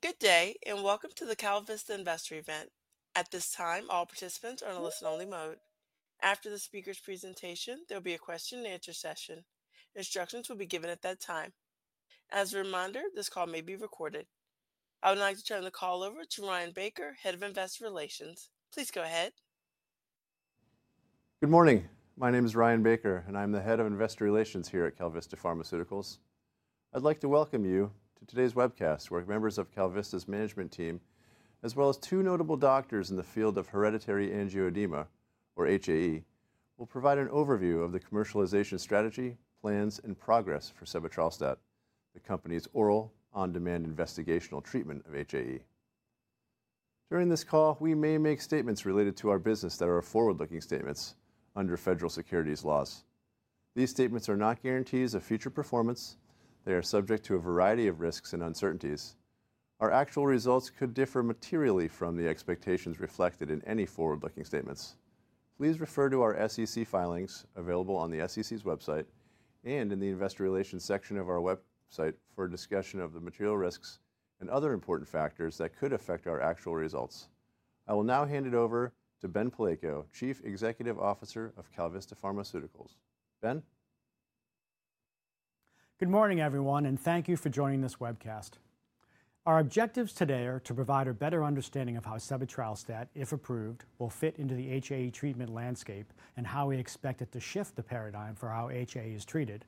Good day, and welcome to the KalVista Investor Event. At this time, all participants are in a listen-only mode. After the speaker's presentation, there will be a question-and-answer session. Instructions will be given at that time. As a reminder, this call may be recorded. I would like to turn the call over to Ryan Baker, Head of Investor Relations. Please go ahead. Good morning. My name is Ryan Baker, and I'm the Head of Investor Relations here at KalVista Pharmaceuticals. I'd like to welcome you to today's webcast, where members of KalVista's management team, as well as two notable doctors in the field of hereditary angioedema, or HAE, will provide an overview of the commercialization strategy, plans, and progress for sebetralstat, the company's oral, on-demand investigational treatment of HAE. During this call, we may make statements related to our business that are forward-looking statements under federal securities laws. These statements are not guarantees of future performance. They are subject to a variety of risks and uncertainties. Our actual results could differ materially from the expectations reflected in any forward-looking statements. Please refer to our SEC filings available on the SEC's website and in the Investor Relations section of our website for a discussion of the material risks and other important factors that could affect our actual results. I will now hand it over to Ben Palleiko, Chief Executive Officer of KalVista Pharmaceuticals. Ben? Good morning, everyone, and thank you for joining this webcast. Our objectives today are to provide a better understanding of how sebetralstat, if approved, will fit into the HAE treatment landscape and how we expect it to shift the paradigm for how HAE is treated,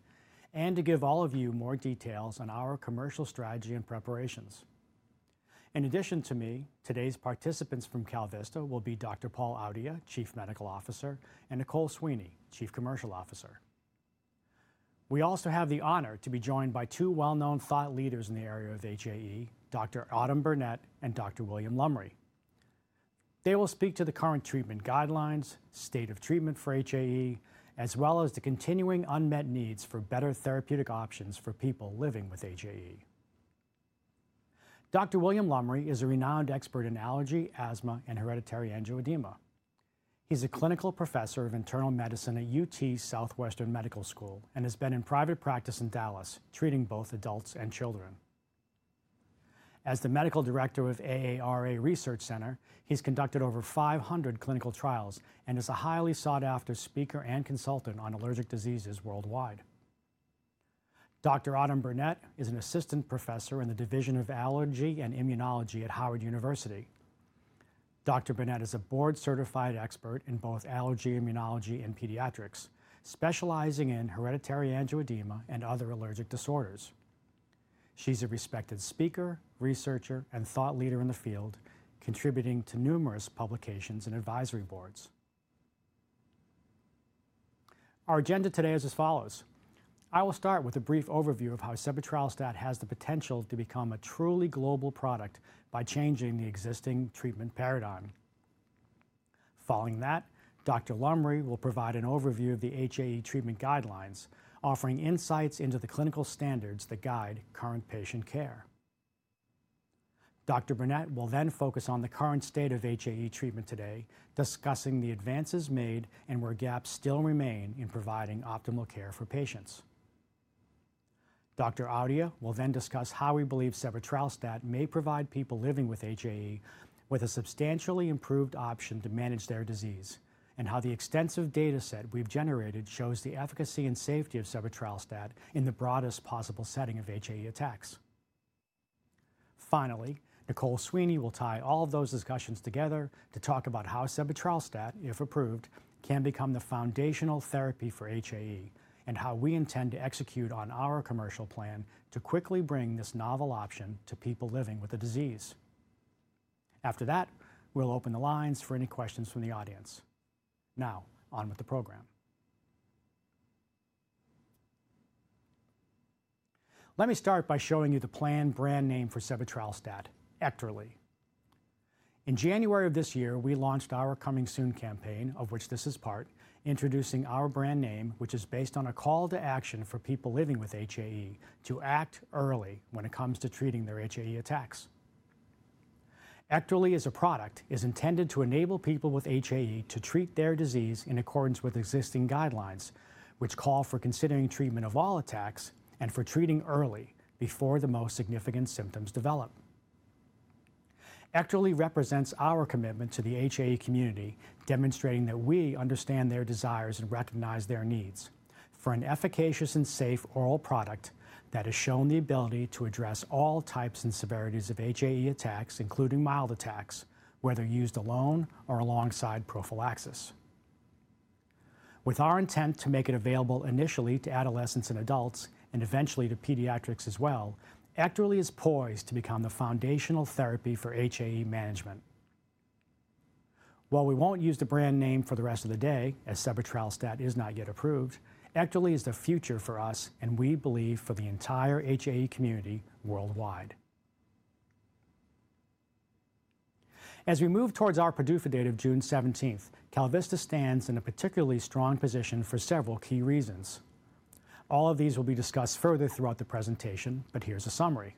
and to give all of you more details on our commercial strategy and preparations. In addition to me, today's participants from KalVista will be Dr. Paul Audhya, Chief Medical Officer, and Nicole Sweeny, Chief Commercial Officer. We also have the honor to be joined by two well-known thought leaders in the area of HAE, Dr. Autumn Burnette and Dr. William Lumry. They will speak to the current treatment guidelines, state of treatment for HAE, as well as the continuing unmet needs for better therapeutic options for people living with HAE. Dr. William Lumry is a renowned expert in allergy, asthma, and hereditary angioedema. He's a clinical professor of internal medicine at UT Southwestern Medical School and has been in private practice in Dallas, treating both adults and children. As the medical director of AARA Research Center, he's conducted over 500 clinical trials and is a highly sought-after speaker and consultant on allergic diseases worldwide. Dr. Autumn Burnette is an assistant professor in the Division of Allergy and Immunology at Howard University. Dr. Burnette is a board-certified expert in both allergy immunology and pediatrics, specializing in hereditary angioedema and other allergic disorders. She's a respected speaker, researcher, and thought leader in the field, contributing to numerous publications and advisory boards. Our agenda today is as follows. I will start with a brief overview of how sebetralstat has the potential to become a truly global product by changing the existing treatment paradigm. Following that, Dr. Lumry will provide an overview of the HAE treatment guidelines, offering insights into the clinical standards that guide current patient care. Dr. Burnette will then focus on the current state of HAE treatment today, discussing the advances made and where gaps still remain in providing optimal care for patients. Dr. Audhya will then discuss how we believe sebetralstat may provide people living with HAE with a substantially improved option to manage their disease, and how the extensive data set we've generated shows the efficacy and safety of sebetralstat in the broadest possible setting of HAE attacks. Finally, Nicole Sweeny will tie all of those discussions together to talk about how sebetralstat, if approved, can become the foundational therapy for HAE, and how we intend to execute on our commercial plan to quickly bring this novel option to people living with the disease. After that, we'll open the lines for any questions from the audience. Now, on with the program. Let me start by showing you the planned brand name for sebetralstat, EKTERLY. In January of this year, we launched our Coming Soon campaign, of which this is part, introducing our brand name, which is based on a call to action for people living with HAE to act early when it comes to treating their HAE attacks. EKTERLY as a product is intended to enable people with HAE to treat their disease in accordance with existing guidelines, which call for considering treatment of all attacks and for treating early before the most significant symptoms develop. EKTERLY represents our commitment to the HAE community, demonstrating that we understand their desires and recognize their needs for an efficacious and safe oral product that has shown the ability to address all types and severities of HAE attacks, including mild attacks, whether used alone or alongside prophylaxis. With our intent to make it available initially to adolescents and adults, and eventually to pediatrics as well, EKTERLY is poised to become the foundational therapy for HAE management. While we will not use the brand name for the rest of the day, as sebetralstat is not yet approved, EKTERLY is the future for us, and we believe for the entire HAE community worldwide. As we move towards our PDUFA date of June 17, KalVista stands in a particularly strong position for several key reasons. All of these will be discussed further throughout the presentation, but here is a summary.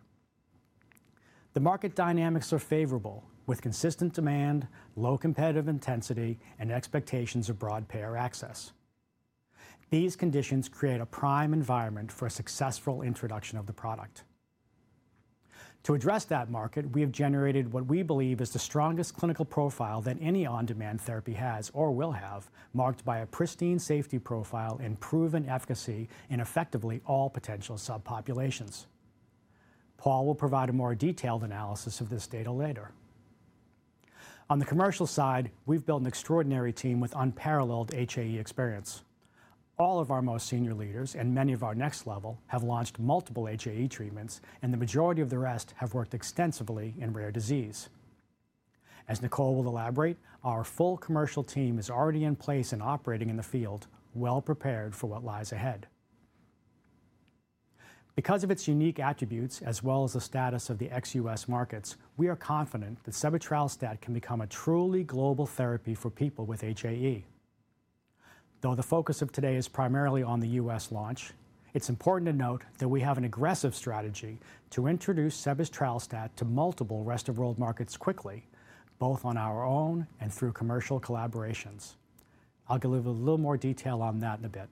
The market dynamics are favorable, with consistent demand, low competitive intensity, and expectations of broad payer access. These conditions create a prime environment for a successful introduction of the product. To address that market, we have generated what we believe is the strongest clinical profile that any on-demand therapy has or will have, marked by a pristine safety profile and proven efficacy in effectively all potential subpopulations. Paul will provide a more detailed analysis of this data later. On the commercial side, we've built an extraordinary team with unparalleled HAE experience. All of our most senior leaders and many of our next level have launched multiple HAE treatments, and the majority of the rest have worked extensively in rare disease. As Nicole will elaborate, our full commercial team is already in place and operating in the field, well prepared for what lies ahead. Because of its unique attributes, as well as the status of the ex-U.S. markets, we are confident that sebetralstat can become a truly global therapy for people with HAE. Though the focus of today is primarily on the U.S. launch, it's important to note that we have an aggressive strategy to introduce sebetralstat to multiple rest-of-world markets quickly, both on our own and through commercial collaborations. I'll give a little more detail on that in a bit.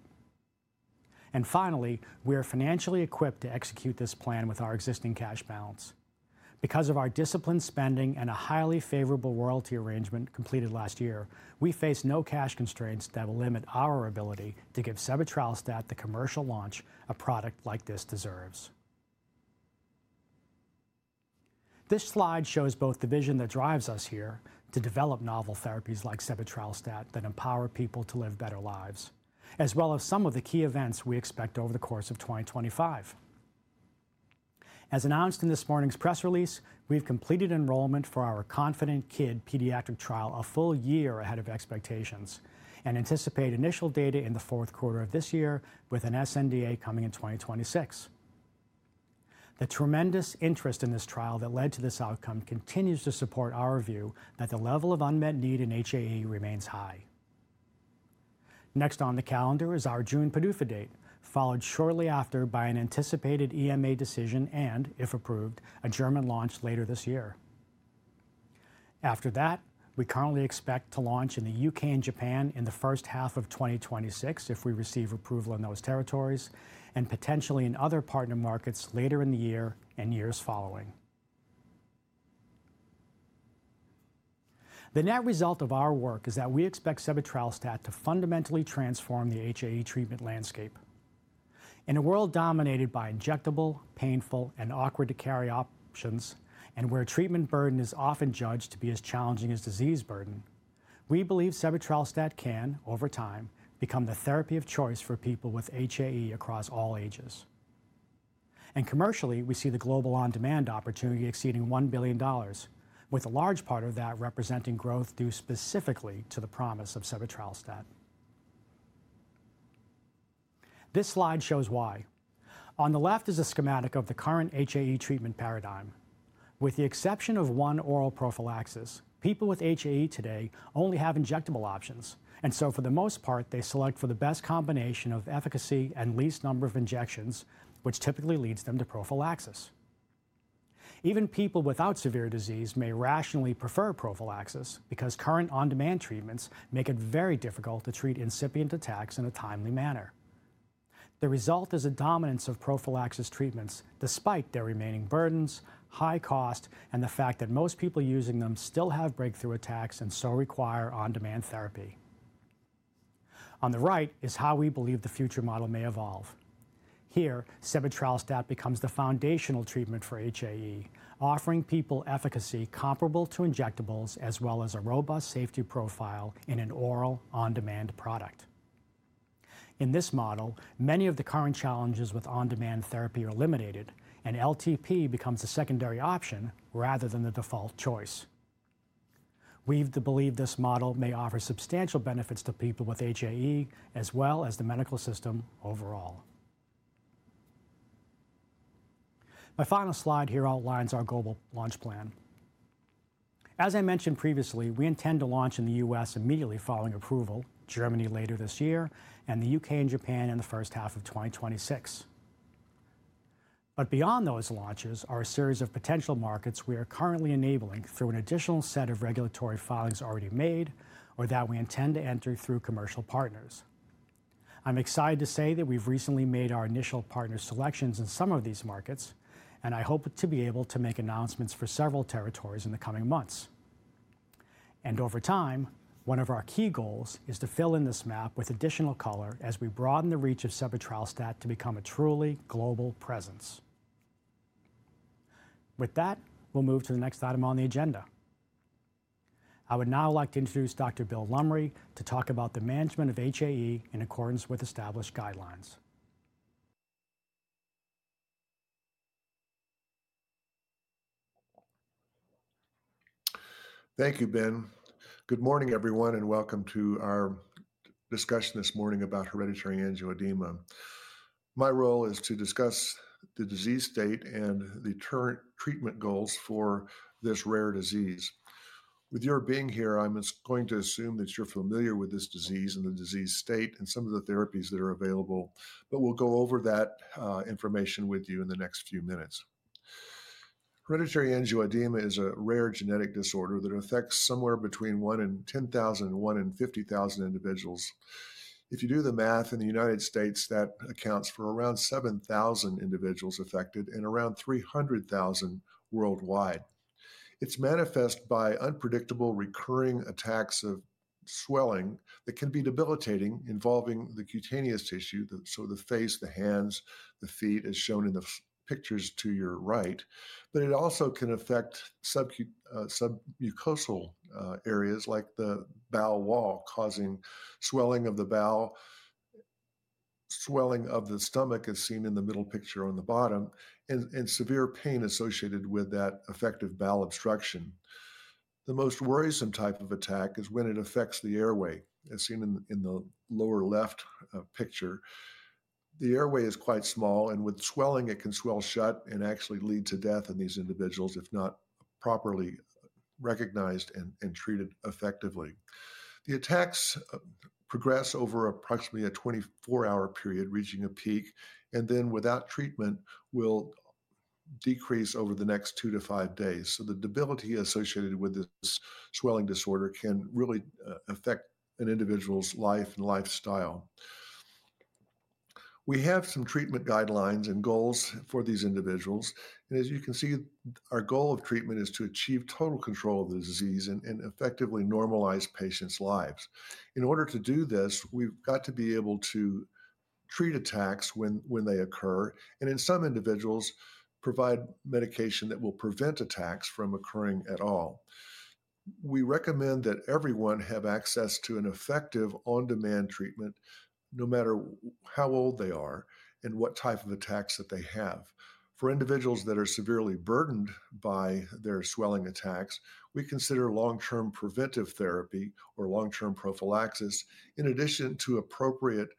Finally, we are financially equipped to execute this plan with our existing cash balance. Because of our disciplined spending and a highly favorable royalty arrangement completed last year, we face no cash constraints that will limit our ability to give sebetralstat the commercial launch a product like this deserves. This slide shows both the vision that drives us here to develop novel therapies like sebetralstat that empower people to live better lives, as well as some of the key events we expect over the course of 2025. As announced in this morning's press release, we've completed enrollment for our KONFIDENT-KID pediatric trial a full year ahead of expectations and anticipate initial data in the fourth quarter of this year, with an sNDA coming in 2026. The tremendous interest in this trial that led to this outcome continues to support our view that the level of unmet need in HAE remains high. Next on the calendar is our June PDUFA date, followed shortly after by an anticipated EMA decision and, if approved, a German launch later this year. After that, we currently expect to launch in the U.K. and Japan in the first half of 2026 if we receive approval in those territories, and potentially in other partner markets later in the year and years following. The net result of our work is that we expect sebetralstat to fundamentally transform the HAE treatment landscape. In a world dominated by injectable, painful, and awkward-to-carry options, and where treatment burden is often judged to be as challenging as disease burden, we believe sebetralstat can, over time, become the therapy of choice for people with HAE across all ages. Commercially, we see the global on-demand opportunity exceeding $1 billion, with a large part of that representing growth due specifically to the promise of sebetralstat. This slide shows why. On the left is a schematic of the current HAE treatment paradigm. With the exception of one oral prophylaxis, people with HAE today only have injectable options, and so for the most part, they select for the best combination of efficacy and least number of injections, which typically leads them to prophylaxis. Even people without severe disease may rationally prefer prophylaxis because current on-demand treatments make it very difficult to treat incipient attacks in a timely manner. The result is a dominance of prophylaxis treatments despite their remaining burdens, high cost, and the fact that most people using them still have breakthrough attacks and so require on-demand therapy. On the right is how we believe the future model may evolve. Here, sebetralstat becomes the foundational treatment for HAE, offering people efficacy comparable to injectables, as well as a robust safety profile in an oral on-demand product. In this model, many of the current challenges with on-demand therapy are eliminated, and LTP becomes a secondary option rather than the default choice. We believe this model may offer substantial benefits to people with HAE, as well as the medical system overall. My final slide here outlines our global launch plan. As I mentioned previously, we intend to launch in the U.S. immediately following approval, Germany later this year, and the U.K. and Japan in the first half of 2026. Beyond those launches are a series of potential markets we are currently enabling through an additional set of regulatory filings already made, or that we intend to enter through commercial partners. I'm excited to say that we've recently made our initial partner selections in some of these markets, and I hope to be able to make announcements for several territories in the coming months. Over time, one of our key goals is to fill in this map with additional color as we broaden the reach of sebetralstat to become a truly global presence. With that, we'll move to the next item on the agenda. I would now like to introduce Dr. Bill Lumry to talk about the management of HAE in accordance with established guidelines. Thank you, Ben. Good morning, everyone, and welcome to our discussion this morning about hereditary angioedema. My role is to discuss the disease state and the current treatment goals for this rare disease. With your being here, I'm going to assume that you're familiar with this disease and the disease state and some of the therapies that are available, but we'll go over that information with you in the next few minutes. Hereditary angioedema is a rare genetic disorder that affects somewhere between 1 in 10,000 and 1 in 50,000 individuals. If you do the math, in the United States, that accounts for around 7,000 individuals affected and around 300,000 worldwide. It's manifest by unpredictable recurring attacks of swelling that can be debilitating, involving the cutaneous tissue, so the face, the hands, the feet, as shown in the pictures to your right, but it also can affect submucosal areas like the bowel wall, causing swelling of the bowel, swelling of the stomach, as seen in the middle picture on the bottom, and severe pain associated with that effective bowel obstruction. The most worrisome type of attack is when it affects the airway, as seen in the lower left picture. The airway is quite small, and with swelling, it can swell shut and actually lead to death in these individuals, if not properly recognized and treated effectively. The attacks progress over approximately a 24-hour period, reaching a peak, and then, without treatment, will decrease over the next two to five days. The debility associated with this swelling disorder can really affect an individual's life and lifestyle. We have some treatment guidelines and goals for these individuals, and as you can see, our goal of treatment is to achieve total control of the disease and effectively normalize patients' lives. In order to do this, we've got to be able to treat attacks when they occur, and in some individuals, provide medication that will prevent attacks from occurring at all. We recommend that everyone have access to an effective on-demand treatment, no matter how old they are and what type of attacks that they have. For individuals that are severely burdened by their swelling attacks, we consider long-term preventive therapy or long-term prophylaxis, in addition to appropriate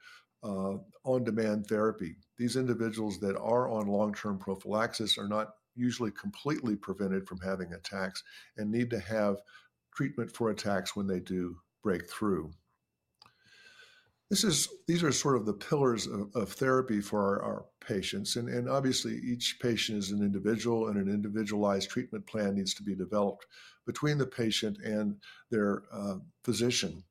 on-demand therapy. These individuals that are on long-term prophylaxis are not usually completely prevented from having attacks and need to have treatment for attacks when they do break through. These are sort of the pillars of therapy for our patients, and obviously, each patient is an individual, and an individualized treatment plan needs to be developed between the patient and their physician.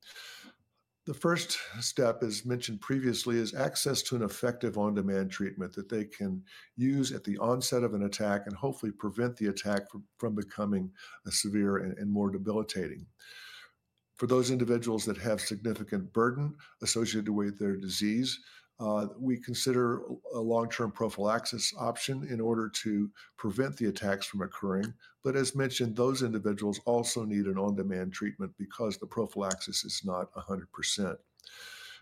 The first step, as mentioned previously, is access to an effective on-demand treatment that they can use at the onset of an attack and hopefully prevent the attack from becoming severe and more debilitating. For those individuals that have significant burden associated with their disease, we consider a long-term prophylaxis option in order to prevent the attacks from occurring, but as mentioned, those individuals also need an on-demand treatment because the prophylaxis is not 100%.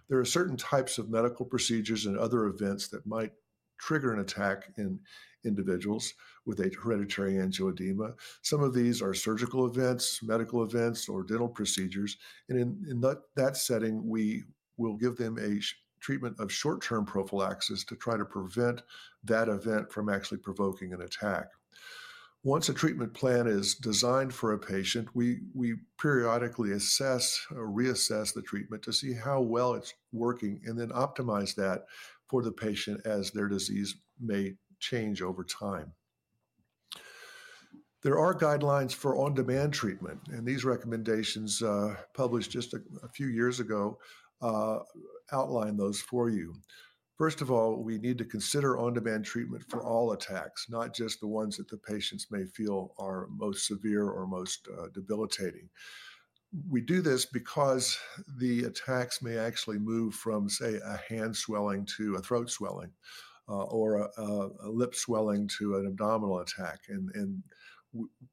There are certain types of medical procedures and other events that might trigger an attack in individuals with hereditary angioedema. Some of these are surgical events, medical events, or dental procedures, and in that setting, we will give them a treatment of short-term prophylaxis to try to prevent that event from actually provoking an attack. Once a treatment plan is designed for a patient, we periodically assess or reassess the treatment to see how well it's working and then optimize that for the patient as their disease may change over time. There are guidelines for on-demand treatment, and these recommendations published just a few years ago outline those for you. First of all, we need to consider on-demand treatment for all attacks, not just the ones that the patients may feel are most severe or most debilitating. We do this because the attacks may actually move from, say, a hand swelling to a throat swelling or a lip swelling to an abdominal attack, and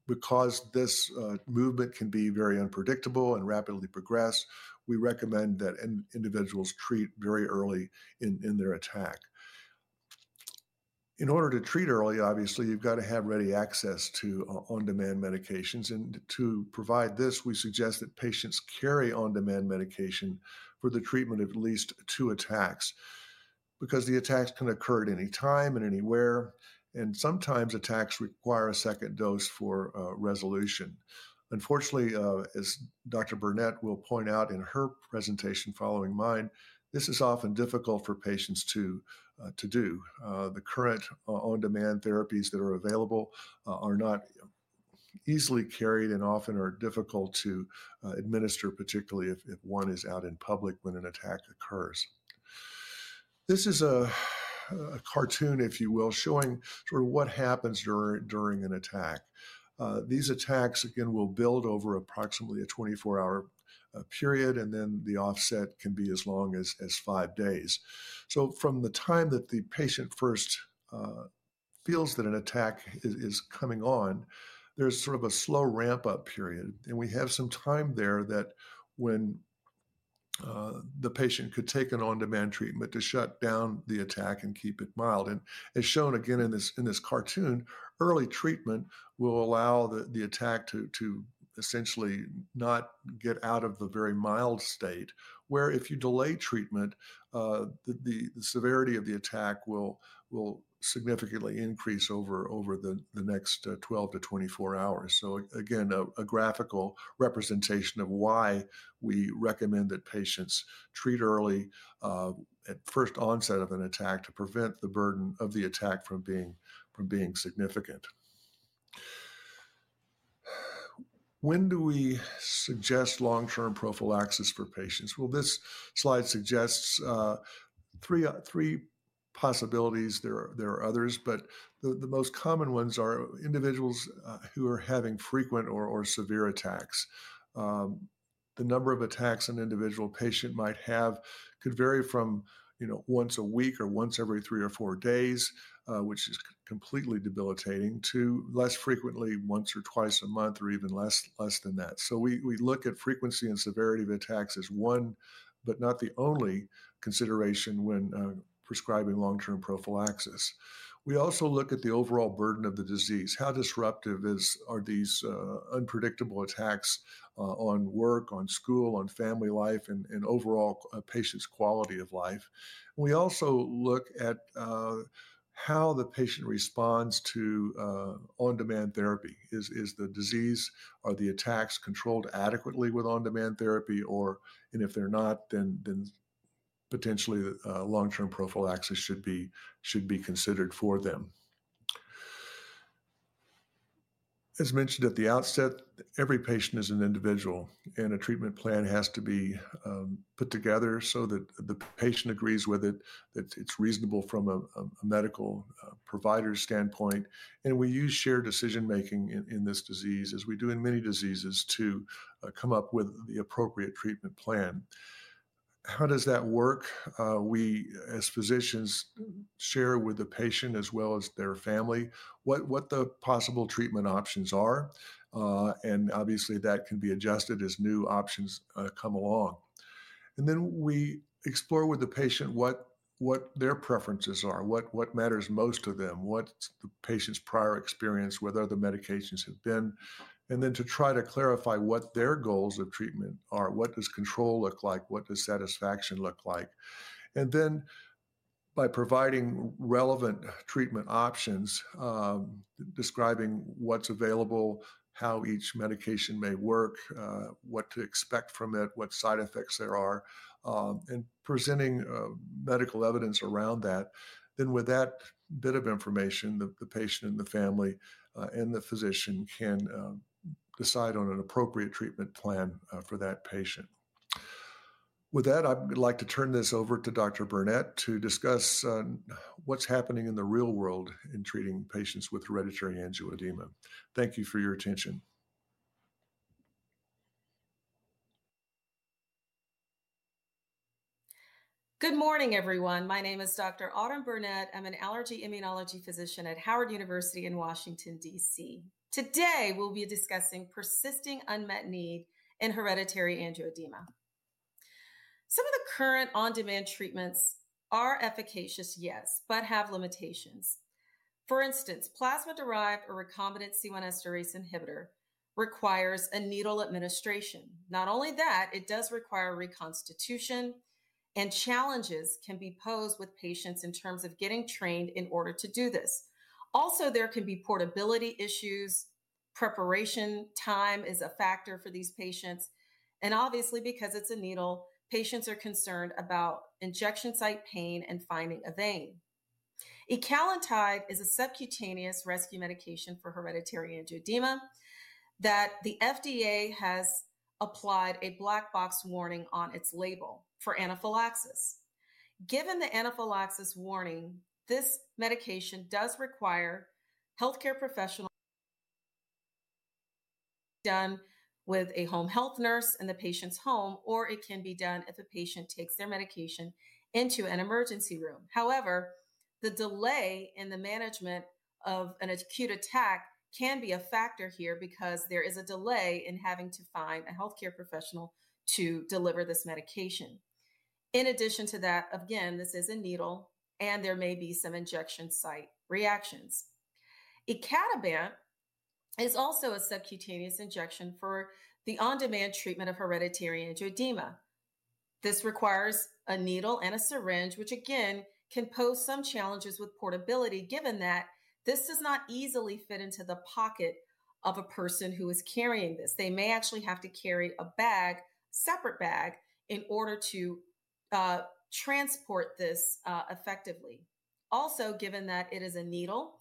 because this movement can be very unpredictable and rapidly progress, we recommend that individuals treat very early in their attack. In order to treat early, obviously, you've got to have ready access to on-demand medications, and to provide this, we suggest that patients carry on-demand medication for the treatment of at least two attacks because the attacks can occur at any time and anywhere, and sometimes attacks require a second dose for resolution. Unfortunately, as Dr. Burnette will point out in her presentation following mine, this is often difficult for patients to do. The current on-demand therapies that are available are not easily carried and often are difficult to administer, particularly if one is out in public when an attack occurs. This is a cartoon, if you will, showing sort of what happens during an attack. These attacks, again, will build over approximately a 24-hour period, and the offset can be as long as five days. From the time that the patient first feels that an attack is coming on, there's sort of a slow ramp-up period, and we have some time there that when the patient could take an on-demand treatment to shut down the attack and keep it mild. As shown again in this cartoon, early treatment will allow the attack to essentially not get out of the very mild state, where if you delay treatment, the severity of the attack will significantly increase over the next 12 to 24 hours. Again, a graphical representation of why we recommend that patients treat early at first onset of an attack to prevent the burden of the attack from being significant. When do we suggest long-term prophylaxis for patients? This slide suggests three possibilities. There are others, but the most common ones are individuals who are having frequent or severe attacks. The number of attacks an individual patient might have could vary from once a week or once every three or four days, which is completely debilitating, to less frequently, once or twice a month, or even less than that. We look at frequency and severity of attacks as one, but not the only consideration when prescribing long-term prophylaxis. We also look at the overall burden of the disease. How disruptive are these unpredictable attacks on work, on school, on family life, and overall patient's quality of life? We also look at how the patient responds to on-demand therapy. Is the disease or the attacks controlled adequately with on-demand therapy? If they're not, then potentially long-term prophylaxis should be considered for them. As mentioned at the outset, every patient is an individual, and a treatment plan has to be put together so that the patient agrees with it, that it's reasonable from a medical provider's standpoint, and we use shared decision-making in this disease, as we do in many diseases, to come up with the appropriate treatment plan. How does that work? We, as physicians, share with the patient as well as their family what the possible treatment options are, and obviously, that can be adjusted as new options come along. We explore with the patient what their preferences are, what matters most to them, what is the patient's prior experience, whether the medications have been, and then try to clarify what their goals of treatment are, what does control look like, what does satisfaction look like. By providing relevant treatment options, describing what is available, how each medication may work, what to expect from it, what side effects there are, and presenting medical evidence around that, with that bit of information, the patient and the family and the physician can decide on an appropriate treatment plan for that patient. With that, I'd like to turn this over to Dr. Burnette to discuss what is happening in the real world in treating patients with hereditary angioedema. Thank you for your attention. Good morning, everyone. My name is Dr. Autumn Burnette. I'm an allergy immunology physician at Howard University in Washington, DC. Today, we'll be discussing persisting unmet need in hereditary angioedema. Some of the current on-demand treatments are efficacious, yes, but have limitations. For instance, plasma-derived or recombinant C1 esterase inhibitor requires a needle administration. Not only that, it does require reconstitution, and challenges can be posed with patients in terms of getting trained in order to do this. Also, there can be portability issues. Preparation time is a factor for these patients. Obviously, because it's a needle, patients are concerned about injection site pain and finding a vein. Ecallantide is a subcutaneous rescue medication for hereditary angioedema that the FDA has applied a black box warning on its label for anaphylaxis. Given the anaphylaxis warning, this medication does require healthcare professional done with a home health nurse in the patient's home, or it can be done if a patient takes their medication into an emergency room. However, the delay in the management of an acute attack can be a factor here because there is a delay in having to find a healthcare professional to deliver this medication. In addition to that, again, this is a needle, and there may be some injection site reactions. Icatibant is also a subcutaneous injection for the on-demand treatment of hereditary angioedema. This requires a needle and a syringe, which again can pose some challenges with portability, given that this does not easily fit into the pocket of a person who is carrying this. They may actually have to carry a bag, a separate bag, in order to transport this effectively. Also, given that it is a needle,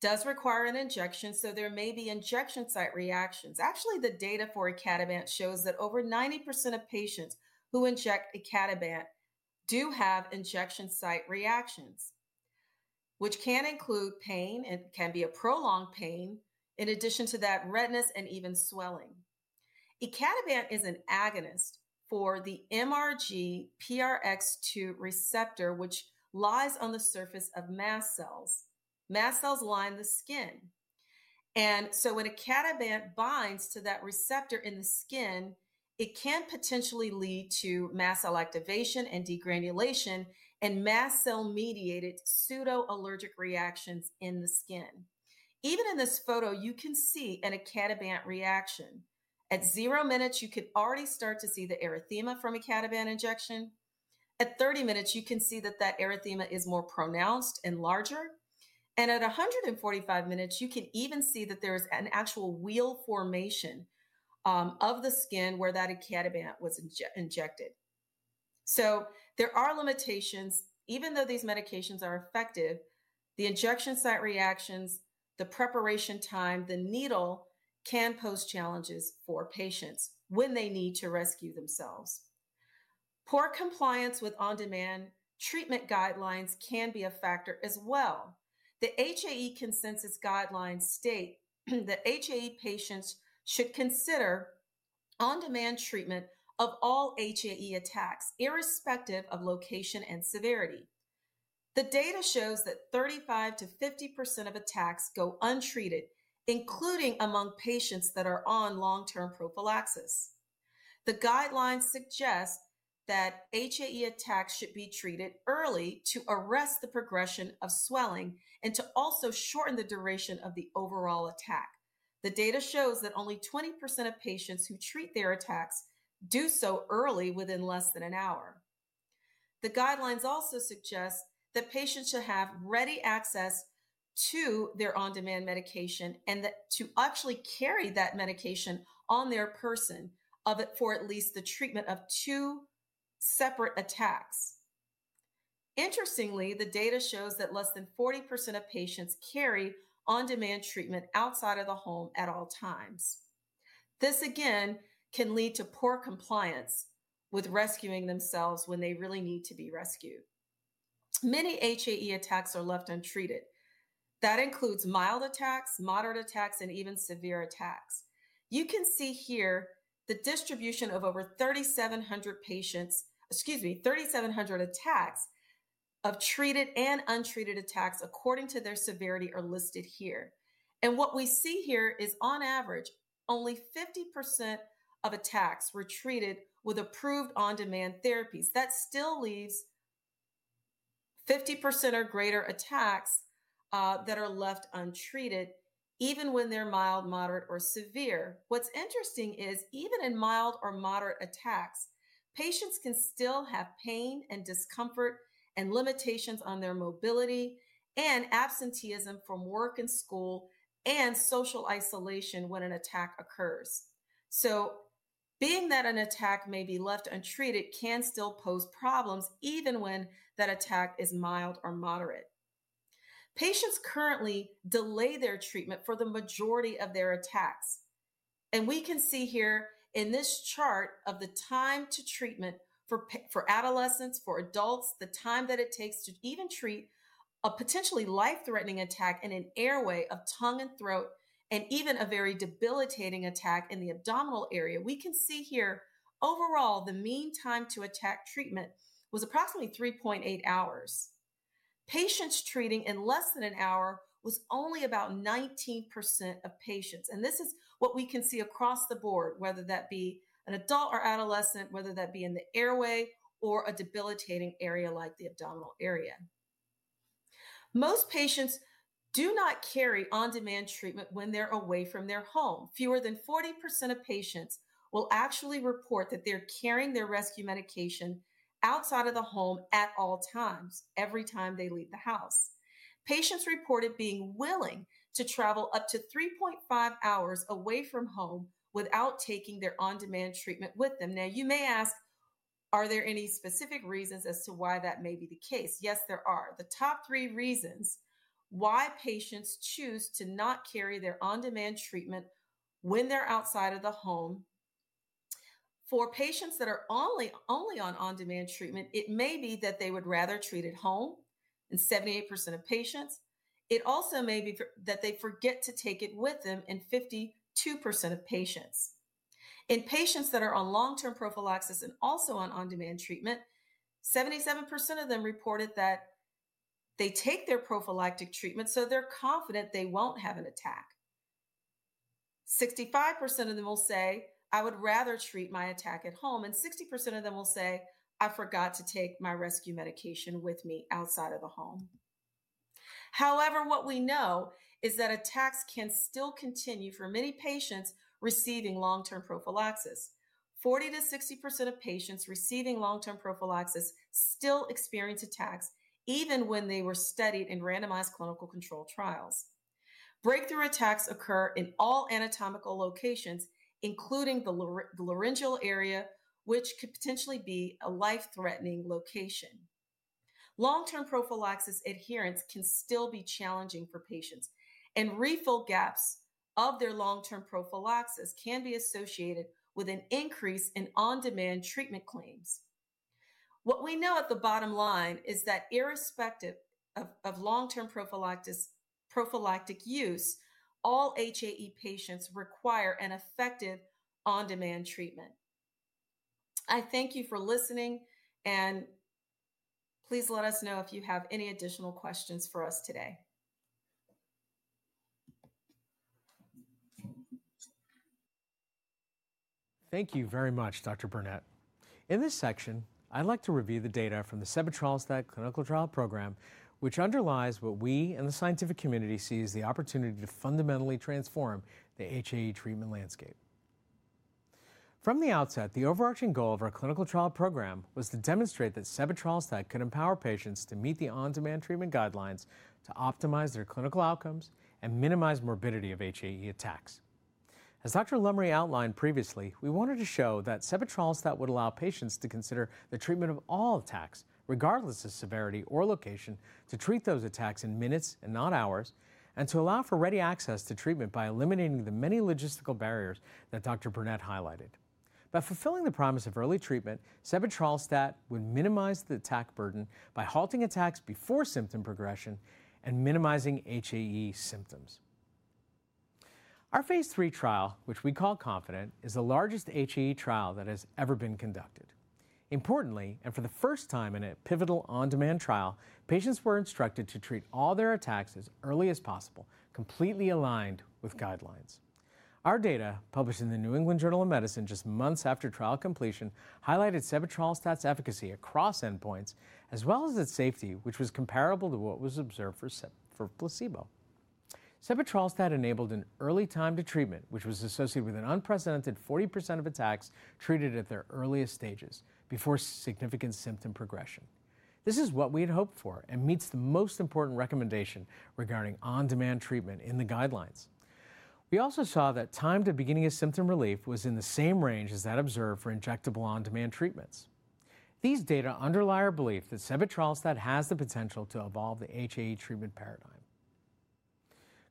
it does require an injection, so there may be injection site reactions. Actually, the data for Icatibant shows that over 90% of patients who inject Icatibant do have injection site reactions, which can include pain. It can be a prolonged pain, in addition to that redness and even swelling. Icatibant is an agonist for the MRGPRX2 receptor, which lies on the surface of mast cells. Mast cells line the skin. When Icatibant binds to that receptor in the skin, it can potentially lead to mast cell activation and degranulation and mast cell-mediated pseudoallergic reactions in the skin. Even in this photo, you can see an Icatibant reaction. At zero minutes, you could already start to see the erythema from Icatibant injection. At 30 minutes, you can see that that erythema is more pronounced and larger. At 145 minutes, you can even see that there is an actual wheal formation of the skin where that Icatibant was injected. There are limitations. Even though these medications are effective, the injection site reactions, the preparation time, the needle can pose challenges for patients when they need to rescue themselves. Poor compliance with on-demand treatment guidelines can be a factor as well. The HAE consensus guidelines state that HAE patients should consider on-demand treatment of all HAE attacks, irrespective of location and severity. The data shows that 35%-50% of attacks go untreated, including among patients that are on long-term prophylaxis. The guidelines suggest that HAE attacks should be treated early to arrest the progression of swelling and to also shorten the duration of the overall attack. The data shows that only 20% of patients who treat their attacks do so early within less than an hour. The guidelines also suggest that patients should have ready access to their on-demand medication and to actually carry that medication on their person for at least the treatment of two separate attacks. Interestingly, the data shows that less than 40% of patients carry on-demand treatment outside of the home at all times. This, again, can lead to poor compliance with rescuing themselves when they really need to be rescued. Many HAE attacks are left untreated. That includes mild attacks, moderate attacks, and even severe attacks. You can see here the distribution of over 3,700 attacks of treated and untreated attacks according to their severity are listed here. What we see here is, on average, only 50% of attacks were treated with approved on-demand therapies. That still leaves 50% or greater attacks that are left untreated, even when they're mild, moderate, or severe. What's interesting is, even in mild or moderate attacks, patients can still have pain and discomfort and limitations on their mobility and absenteeism from work and school and social isolation when an attack occurs. Being that an attack may be left untreated, it can still pose problems even when that attack is mild or moderate. Patients currently delay their treatment for the majority of their attacks. We can see here in this chart of the time to treatment for adolescents, for adults, the time that it takes to even treat a potentially life-threatening attack in an airway of tongue and throat and even a very debilitating attack in the abdominal area. We can see here, overall, the mean time to attack treatment was approximately 3.8 hours. Patients treating in less than an hour was only about 19% of patients. This is what we can see across the board, whether that be an adult or adolescent, whether that be in the airway or a debilitating area like the abdominal area. Most patients do not carry on-demand treatment when they're away from their home. Fewer than 40% of patients will actually report that they're carrying their rescue medication outside of the home at all times, every time they leave the house. Patients reported being willing to travel up to 3.5 hours away from home without taking their on-demand treatment with them. Now, you may ask, are there any specific reasons as to why that may be the case? Yes, there are. The top three reasons why patients choose to not carry their on-demand treatment when they're outside of the home. For patients that are only on on-demand treatment, it may be that they would rather treat at home in 78% of patients. It also may be that they forget to take it with them in 52% of patients. In patients that are on long-term prophylaxis and also on on-demand treatment, 77% of them reported that they take their prophylactic treatment, so they're confident they won't have an attack. 65% of them will say, "I would rather treat my attack at home." And 60% of them will say, "I forgot to take my rescue medication with me outside of the home." However, what we know is that attacks can still continue for many patients receiving long-term prophylaxis. 40%-60% of patients receiving long-term prophylaxis still experience attacks even when they were studied in randomized clinical control trials. Breakthrough attacks occur in all anatomical locations, including the laryngeal area, which could potentially be a life-threatening location. Long-term prophylaxis adherence can still be challenging for patients, and refill gaps of their long-term prophylaxis can be associated with an increase in on-demand treatment claims. What we know at the bottom line is that irrespective of long-term prophylactic use, all HAE patients require an effective on-demand treatment. I thank you for listening, and please let us know if you have any additional questions for us today. Thank you very much, Dr. Burnette. In this section, I'd like to review the data from the sebetralstat trials, that clinical trial program, which underlies what we and the scientific community see as the opportunity to fundamentally transform the HAE treatment landscape. From the outset, the overarching goal of our clinical trial program was to demonstrate that sebetralstat could empower patients to meet the on-demand treatment guidelines to optimize their clinical outcomes and minimize morbidity of HAE attacks. As Dr. Lumry outlined previously, we wanted to show that sebetralstat would allow patients to consider the treatment of all attacks, regardless of severity or location, to treat those attacks in minutes and not hours, and to allow for ready access to treatment by eliminating the many logistical barriers that Dr. Burnette highlighted. By fulfilling the promise of early treatment, sebetralstat trials that would minimize the attack burden by halting attacks before symptom progression and minimizing HAE symptoms. Our phase III trial, which we call KONFIDENT, is the largest HAE trial that has ever been conducted. Importantly, and for the first time in a pivotal on-demand trial, patients were instructed to treat all their attacks as early as possible, completely aligned with guidelines. Our data, published in the New England Journal of Medicine just months after trial completion, highlighted sebetralstat's efficacy across endpoints, as well as its safety, which was comparable to what was observed for placebo. sebetralstat enabled an early time to treatment, which was associated with an unprecedented 40% of attacks treated at their earliest stages before significant symptom progression. This is what we had hoped for and meets the most important recommendation regarding on-demand treatment in the guidelines. We also saw that time to beginning of symptom relief was in the same range as that observed for injectable on-demand treatments. These data underlie our belief that sebetralstat has the potential to evolve the HAE treatment paradigm.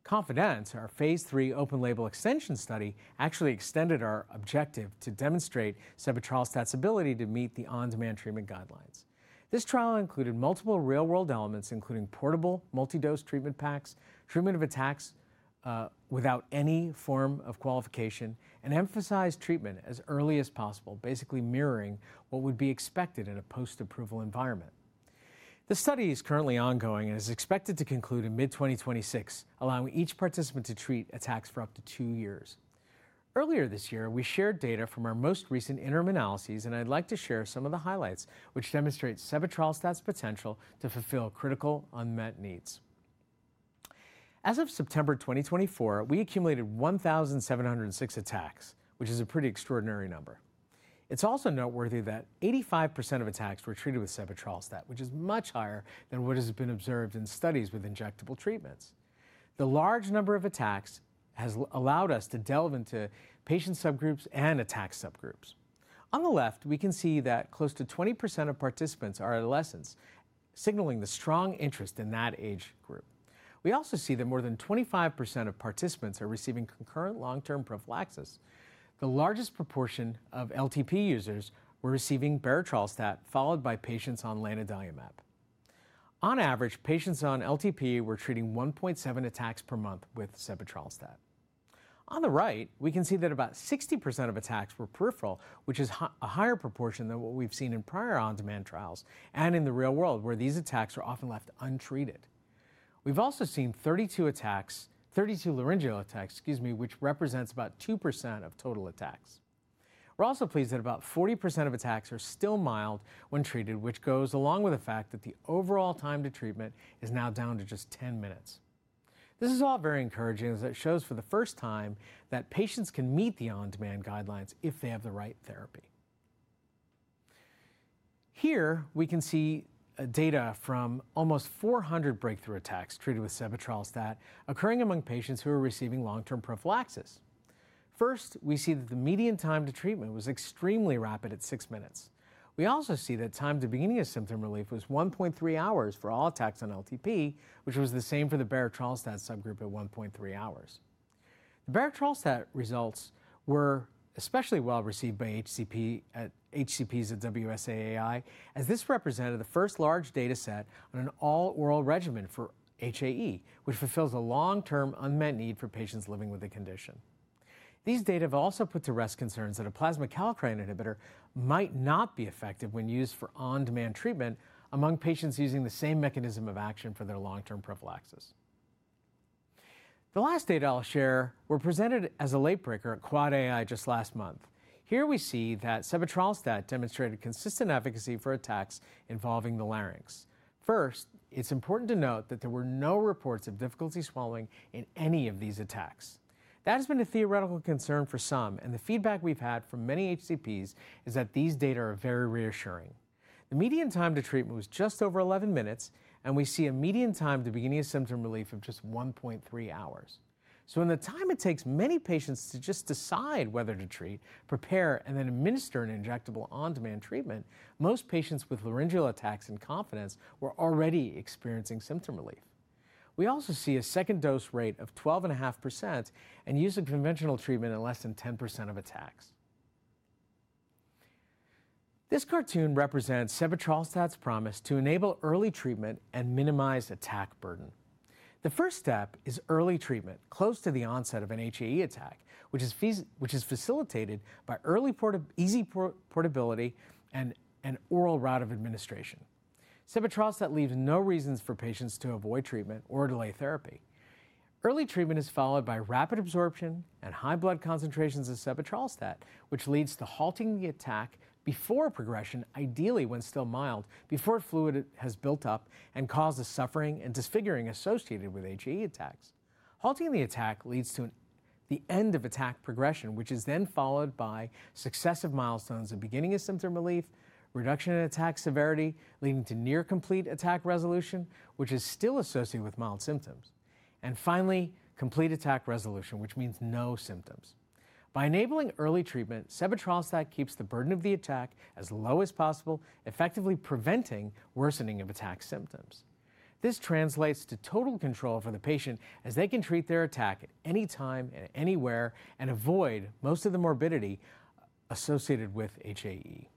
KONFIDENT, our phase III open-label extension study, actually extended our objective to demonstrate sebetralstat's ability to meet the on-demand treatment guidelines. This trial included multiple real-world elements, including portable, multi-dose treatment packs, treatment of attacks without any form of qualification, and emphasized treatment as early as possible, basically mirroring what would be expected in a post-approval environment. The study is currently ongoing and is expected to conclude in mid-2026, allowing each participant to treat attacks for up to two years. Earlier this year, we shared data from our most recent interim analyses, and I'd like to share some of the highlights, which demonstrate sebetralstat's potential to fulfill critical unmet needs. As of September 2024, we accumulated 1,706 attacks, which is a pretty extraordinary number. It's also noteworthy that 85% of attacks were treated with sebetralstat, which is much higher than what has been observed in studies with injectable treatments. The large number of attacks has allowed us to delve into patient subgroups and attack subgroups. On the left, we can see that close to 20% of participants are adolescents, signaling the strong interest in that age group. We also see that more than 25% of participants are receiving concurrent long-term prophylaxis. The largest proportion of LTP users were receiving berotralstat, followed by patients on lanadelumab. On average, patients on LTP were treating 1.7 attacks per month with sebetralstat. On the right, we can see that about 60% of attacks were peripheral, which is a higher proportion than what we've seen in prior on-demand trials and in the real world, where these attacks are often left untreated. We've also seen 32 laryngeal attacks, excuse me, which represents about 2% of total attacks. We're also pleased that about 40% of attacks are still mild when treated, which goes along with the fact that the overall time to treatment is now down to just 10 minutes. This is all very encouraging as it shows for the first time that patients can meet the on-demand guidelines if they have the right therapy. Here, we can see data from almost 400 breakthrough attacks treated with sebetralstat occurring among patients who are receiving long-term prophylaxis. First, we see that the median time to treatment was extremely rapid at six minutes. We also see that time to beginning of symptom relief was 1.3 hours for all attacks on long-term prophylaxis, which was the same for the berotralstat subgroup at 1.3 hours. The berotralstat results were especially well received by HCPs at WSAAI, as this represented the first large data set on an all-oral regimen for HAE, which fulfills a long-term unmet need for patients living with the condition. These data have also put to rest concerns that a plasma kallikrein inhibitor might not be effective when used for on-demand treatment among patients using the same mechanism of action for their long-term prophylaxis. The last data I'll share were presented as a late breaker at AAAAI just last month. Here we see that sebetralstat demonstrated consistent efficacy for attacks involving the larynx. First, it's important to note that there were no reports of difficulty swallowing in any of these attacks. That has been a theoretical concern for some, and the feedback we've had from many HCPs is that these data are very reassuring. The median time to treatment was just over 11 minutes, and we see a median time to beginning of symptom relief of just 1.3 hours. In the time it takes many patients to just decide whether to treat, prepare, and then administer an injectable on-demand treatment, most patients with laryngeal attacks in KONFIDENT were already experiencing symptom relief. We also see a second dose rate of 12.5% and use of conventional treatment in less than 10% of attacks. This cartoon represents sebetralstat's promise to enable early treatment and minimize attack burden. The first step is early treatment close to the onset of an HAE attack, which is facilitated by easy portability and an oral route of administration. sebetralstat leaves no reasons for patients to avoid treatment or delay therapy. Early treatment is followed by rapid absorption and high blood concentrations of sebetralstat, which leads to halting the attack before progression, ideally when still mild, before fluid has built up and causes suffering and disfiguring associated with HAE attacks. Halting the attack leads to the end of attack progression, which is then followed by successive milestones of beginning of symptom relief, reduction in attack severity, leading to near complete attack resolution, which is still associated with mild symptoms. Finally, complete attack resolution, which means no symptoms. By enabling early treatment, sebetralstat keeps the burden of the attack as low as possible, effectively preventing worsening of attack symptoms. This translates to total control for the patient as they can treat their attack at any time and anywhere and avoid most of the morbidity associated with HAE.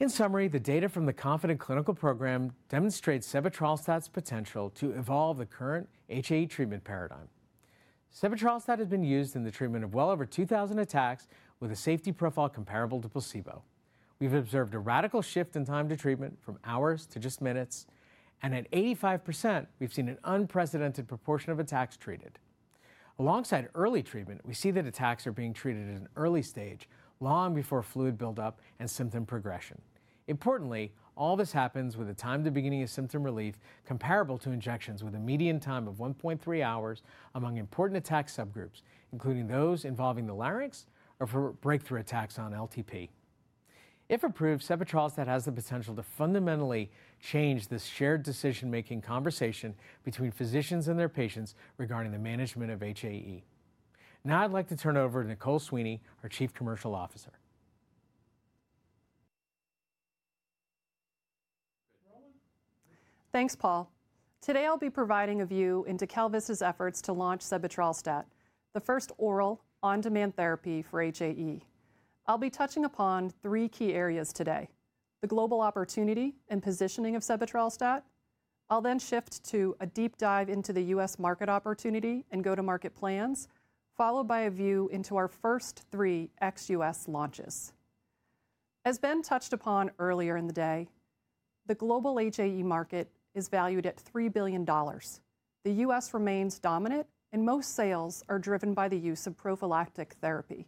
In summary, the data from the KONFIDENT clinical program demonstrates sebetralstat's potential to evolve the current HAE treatment paradigm. sebetralstat has been used in the treatment of well over 2,000 attacks with a safety profile comparable to placebo. We've observed a radical shift in time to treatment from hours to just minutes, and at 85%, we've seen an unprecedented proportion of attacks treated. Alongside early treatment, we see that attacks are being treated in an early stage, long before fluid buildup and symptom progression. Importantly, all this happens with a time to beginning of symptom relief comparable to injections with a median time of 1.3 hours among important attack subgroups, including those involving the larynx or for breakthrough attacks on LTP. If approved, sebetralstat has the potential to fundamentally change this shared decision-making conversation between physicians and their patients regarding the management of HAE. Now I'd like to turn it over to Nicole Sweeny, our Chief Commercial Officer. Thanks, Paul. Today, I'll be providing a view into KalVista's efforts to launch sebetralstat, the first oral on-demand therapy for HAE. I'll be touching upon three key areas today: the global opportunity and positioning of sebetralstat. I'll then shift to a deep dive into the U.S. market opportunity and go-to-market plans, followed by a view into our first three ex-U.S. launches. As Ben touched upon earlier in the day, the global HAE market is valued at $3 billion. The U.S. remains dominant, and most sales are driven by the use of prophylactic therapy.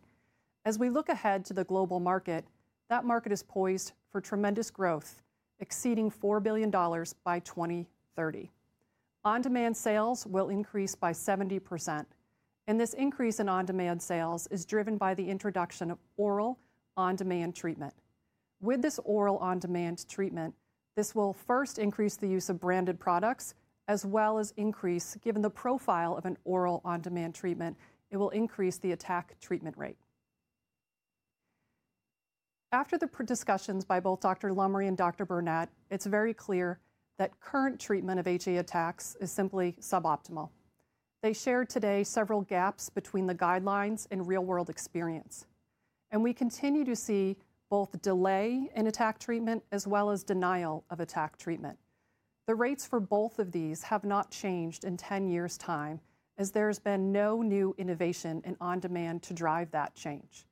As we look ahead to the global market, that market is poised for tremendous growth, exceeding $4 billion by 2030. On-demand sales will increase by 70%, and this increase in on-demand sales is driven by the introduction of oral on-demand treatment. With this oral on-demand treatment, this will first increase the use of branded products, as well as increase, given the profile of an oral on-demand treatment, it will increase the attack treatment rate. After the discussions by both Dr. Lumry and Dr. Burnette, it's very clear that current treatment of HAE attacks is simply suboptimal. They shared today several gaps between the guidelines and real-world experience, and we continue to see both delay in attack treatment as well as denial of attack treatment. The rates for both of these have not changed in 10 years' time, as there has been no new innovation in on-demand to drive that change.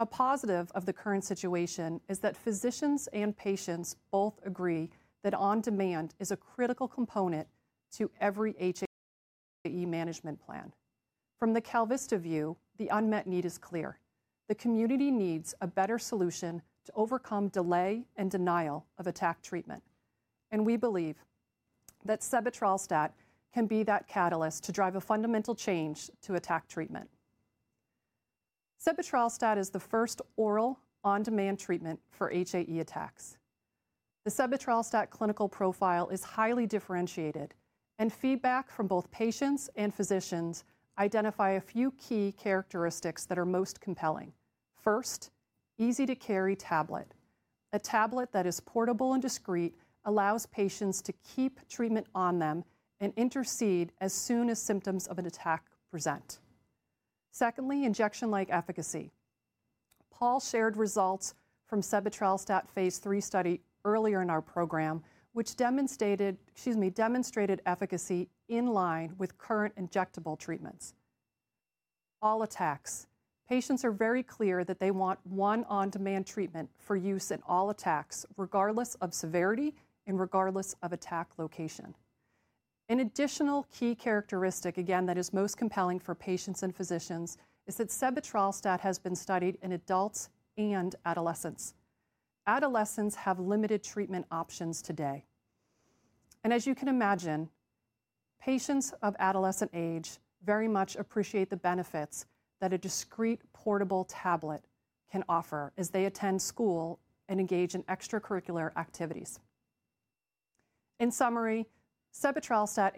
A positive of the current situation is that physicians and patients both agree that on-demand is a critical component to every HAE management plan. From the KalVista view, the unmet need is clear. The community needs a better solution to overcome delay and denial of attack treatment, and we believe that sebetralstat can be that catalyst to drive a fundamental change to attack treatment. sebetralstat is the first oral on-demand treatment for HAE attacks. The sebetralstat clinical profile is highly differentiated, and feedback from both patients and physicians identify a few key characteristics that are most compelling. First, easy to carry tablet. A tablet that is portable and discreet allows patients to keep treatment on them and intercede as soon as symptoms of an attack present. Secondly, injection-like efficacy. Paul shared results from sebetralstat phase III study earlier in our program, which demonstrated, excuse me, demonstrated efficacy in line with current injectable treatments. All attacks. Patients are very clear that they want one on-demand treatment for use in all attacks, regardless of severity and regardless of attack location. An additional key characteristic, again, that is most compelling for patients and physicians is that sebetralstat has been studied in adults and adolescents. Adolescents have limited treatment options today. As you can imagine, patients of adolescent age very much appreciate the benefits that a discreet portable tablet can offer as they attend school and engage in extracurricular activities. In summary, sebetralstat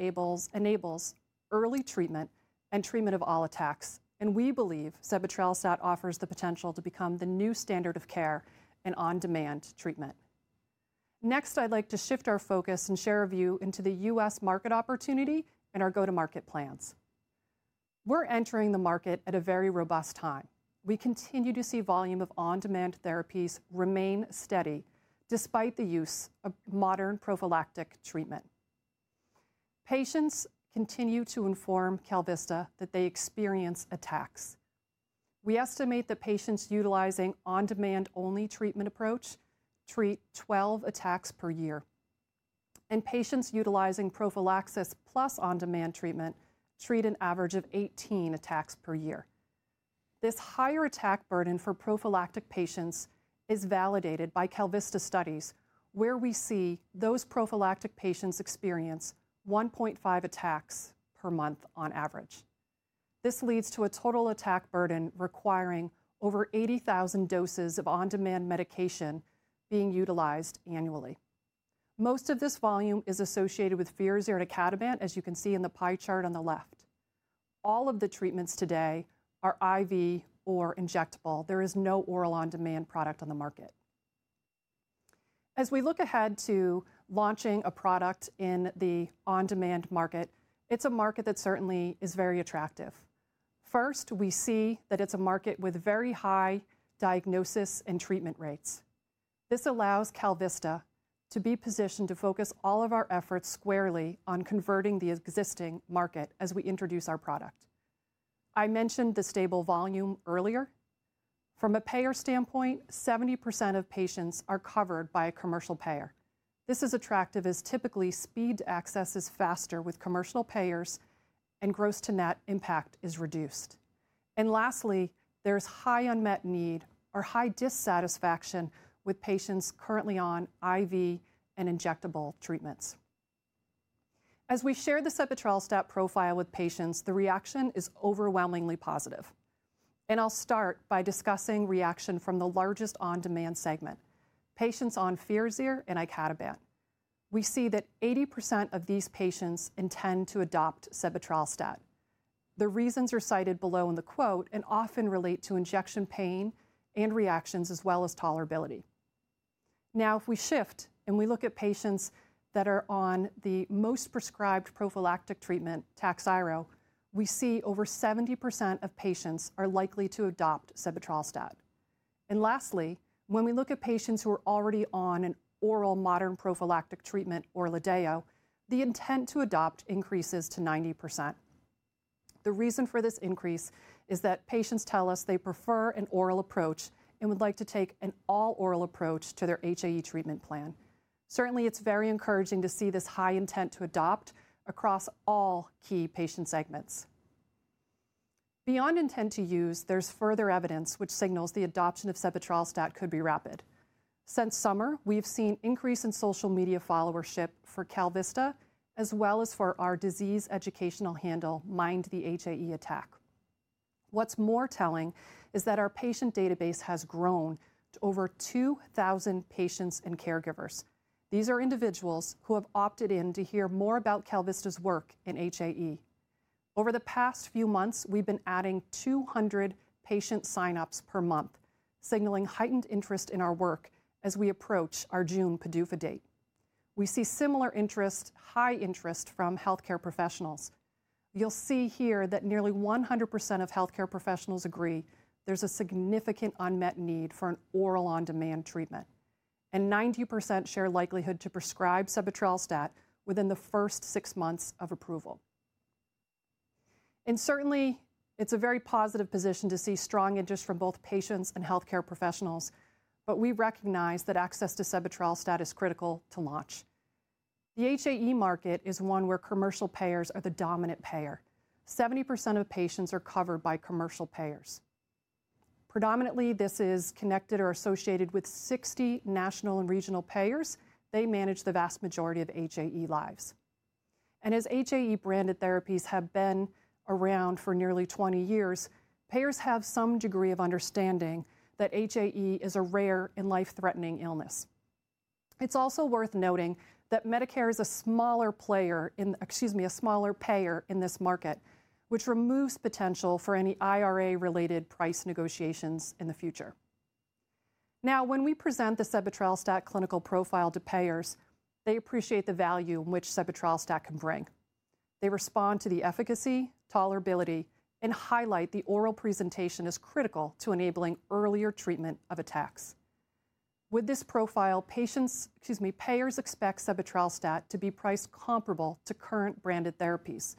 enables early treatment and treatment of all attacks, and we believe sebetralstat offers the potential to become the new standard of care in on-demand treatment. Next, I'd like to shift our focus and share a view into the U.S. market opportunity and our go-to-market plans. We're entering the market at a very robust time. We continue to see volume of on-demand therapies remain steady despite the use of modern prophylactic treatment. Patients continue to inform KalVista that they experience attacks. We estimate that patients utilizing on-demand-only treatment approach treat 12 attacks per year, and patients utilizing prophylaxis plus on-demand treatment treat an average of 18 attacks per year. This higher attack burden for prophylactic patients is validated by KalVista studies, where we see those prophylactic patients experience 1.5 attacks per month on average. This leads to a total attack burden requiring over 80,000 doses of on-demand medication being utilized annually. Most of this volume is associated with FIRAZYR or icatibant, as you can see in the pie chart on the left. All of the treatments today are IV or injectable. There is no oral on-demand product on the market. As we look ahead to launching a product in the on-demand market, it's a market that certainly is very attractive. First, we see that it's a market with very high diagnosis and treatment rates. This allows KalVista to be positioned to focus all of our efforts squarely on converting the existing market as we introduce our product. I mentioned the stable volume earlier. From a payer standpoint, 70% of patients are covered by a commercial payer. This is attractive as typically speed access is faster with commercial payers and gross to net impact is reduced. Lastly, there is high unmet need or high dissatisfaction with patients currently on IV and injectable treatments. As we share the sebetralstat trial data with patients, the reaction is overwhelmingly positive. I'll start by discussing reaction from the largest on-demand segment, patients on FIRAZYR and icatibant. We see that 80% of these patients intend to adopt sebetralstat. The reasons are cited below in the quote and often relate to injection pain and reactions as well as tolerability. Now, if we shift and we look at patients that are on the most prescribed prophylactic treatment, TAKHZYRO, we see over 70% of patients are likely to adopt sebetralstat. Lastly, when we look at patients who are already on an oral modern prophylactic treatment, ORLADEYO, the intent to adopt increases to 90%. The reason for this increase is that patients tell us they prefer an oral approach and would like to take an all-oral approach to their HAE treatment plan. Certainly, it is very encouraging to see this high intent to adopt across all key patient segments. Beyond intent to use, there is further evidence which signals the adoption of sebetralstat could be rapid. Since summer, we've seen increase in social media followership for KalVista as well as for our disease educational handle, Mind the HAE attack. What's more telling is that our patient database has grown to over 2,000 patients and caregivers. These are individuals who have opted in to hear more about KalVista's work in HAE. Over the past few months, we've been adding 200 patient signups per month, signaling heightened interest in our work as we approach our June PDUFA date. We see similar interest, high interest from healthcare professionals. You'll see here that nearly 100% of healthcare professionals agree there's a significant unmet need for an oral on-demand treatment, and 90% share likelihood to prescribe sebetralstat within the first six months of approval. It is a very positive position to see strong interest from both patients and healthcare professionals, but we recognize that access to sebetralstat is critical to launch. The HAE market is one where commercial payers are the dominant payer. 70% of patients are covered by commercial payers. Predominantly, this is connected or associated with 60 national and regional payers. They manage the vast majority of HAE lives. As HAE branded therapies have been around for nearly 20 years, payers have some degree of understanding that HAE is a rare and life-threatening illness. It is also worth noting that Medicare is a smaller payer in this market, which removes potential for any IRA-related price negotiations in the future. When we present the sebetralstat clinical profile to payers, they appreciate the value in which sebetralstat can bring. They respond to the efficacy, tolerability, and highlight the oral presentation as critical to enabling earlier treatment of attacks. With this profile, patients, excuse me, payers expect sebetralstat to be priced comparable to current branded therapies.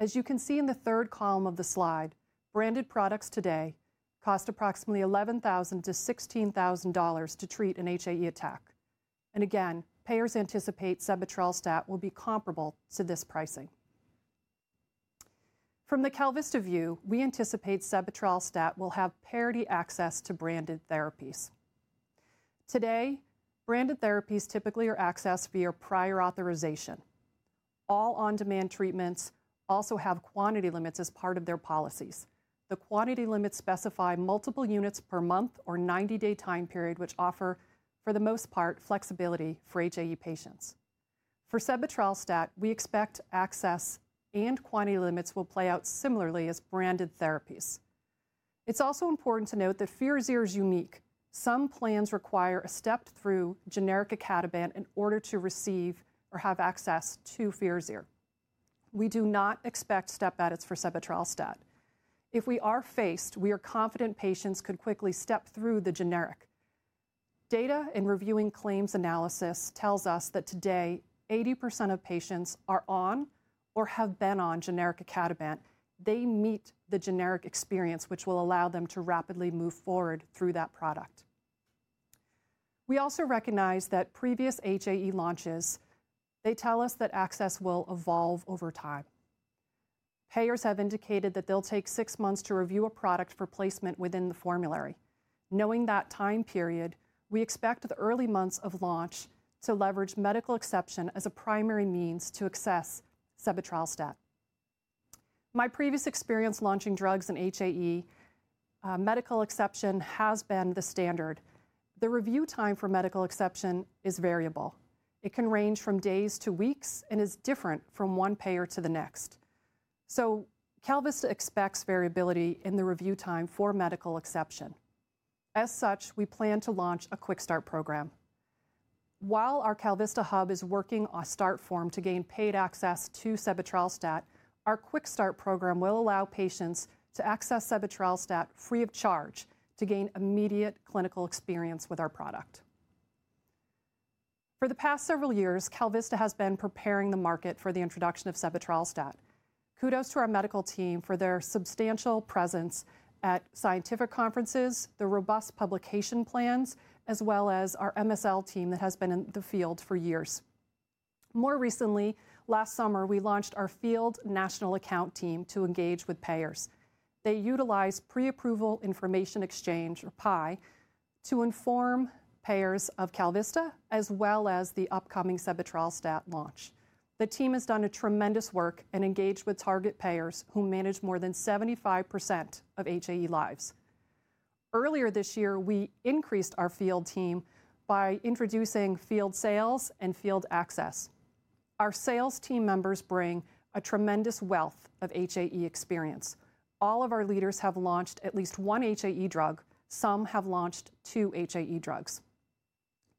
As you can see in the third column of the slide, branded products today cost approximately $11,000-$16,000 to treat an HAE attack. Payers anticipate sebetralstat will be comparable to this pricing. From the KalVista view, we anticipate sebetralstat will have parity access to branded therapies. Today, branded therapies typically are accessed via prior authorization. All on-demand treatments also have quantity limits as part of their policies. The quantity limits specify multiple units per month or 90-day time period, which offer, for the most part, flexibility for HAE patients. For sebetralstat trials, we expect access and quantity limits will play out similarly as branded therapies. It's also important to note that FIRAZYR is unique. Some plans require a step through generic icatibant in order to receive or have access to FIRAZYR. We do not expect step edits for sebetralstat trials. If we are faced, we are confident patients could quickly step through the generic. Data and reviewing claims analysis tells us that today, 80% of patients are on or have been on generic icatibant. They meet the generic experience, which will allow them to rapidly move forward through that product. We also recognize that previous HAE launches, they tell us that access will evolve over time. Payers have indicated that they'll take six months to review a product for placement within the formulary. Knowing that time period, we expect the early months of launch to leverage medical exception as a primary means to access sebetralstat. My previous experience launching drugs in HAE, medical exception has been the standard. The review time for medical exception is variable. It can range from days to weeks and is different from one payer to the next. KalVista expects variability in the review time for medical exception. As such, we plan to launch a quick start program. While our KalVista hub is working on start form to gain paid access to sebetralstat, our quick start program will allow patients to access sebetralstat free of charge to gain immediate clinical experience with our product. For the past several years, KalVista has been preparing the market for the introduction of sebetralstat. Kudos to our medical team for their substantial presence at scientific conferences, the robust publication plans, as well as our MSL team that has been in the field for years. More recently, last summer, we launched our field national account team to engage with payers. They utilize pre-approval information exchange or PIE to inform payers of KalVista as well as the upcoming sebetralstat trials that launch. The team has done tremendous work and engaged with target payers who manage more than 75% of HAE lives. Earlier this year, we increased our field team by introducing field sales and field access. Our sales team members bring a tremendous wealth of HAE experience. All of our leaders have launched at least one HAE drug. Some have launched two HAE drugs.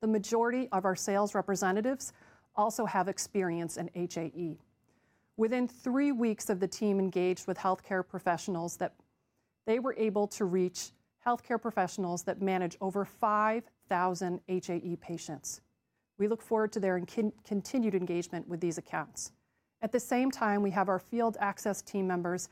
The majority of our sales representatives also have experience in HAE. Within three weeks of the team engaged with healthcare professionals, they were able to reach healthcare professionals that manage over 5,000 HAE patients. We look forward to their continued engagement with these accounts. At the same time, we have our field access team members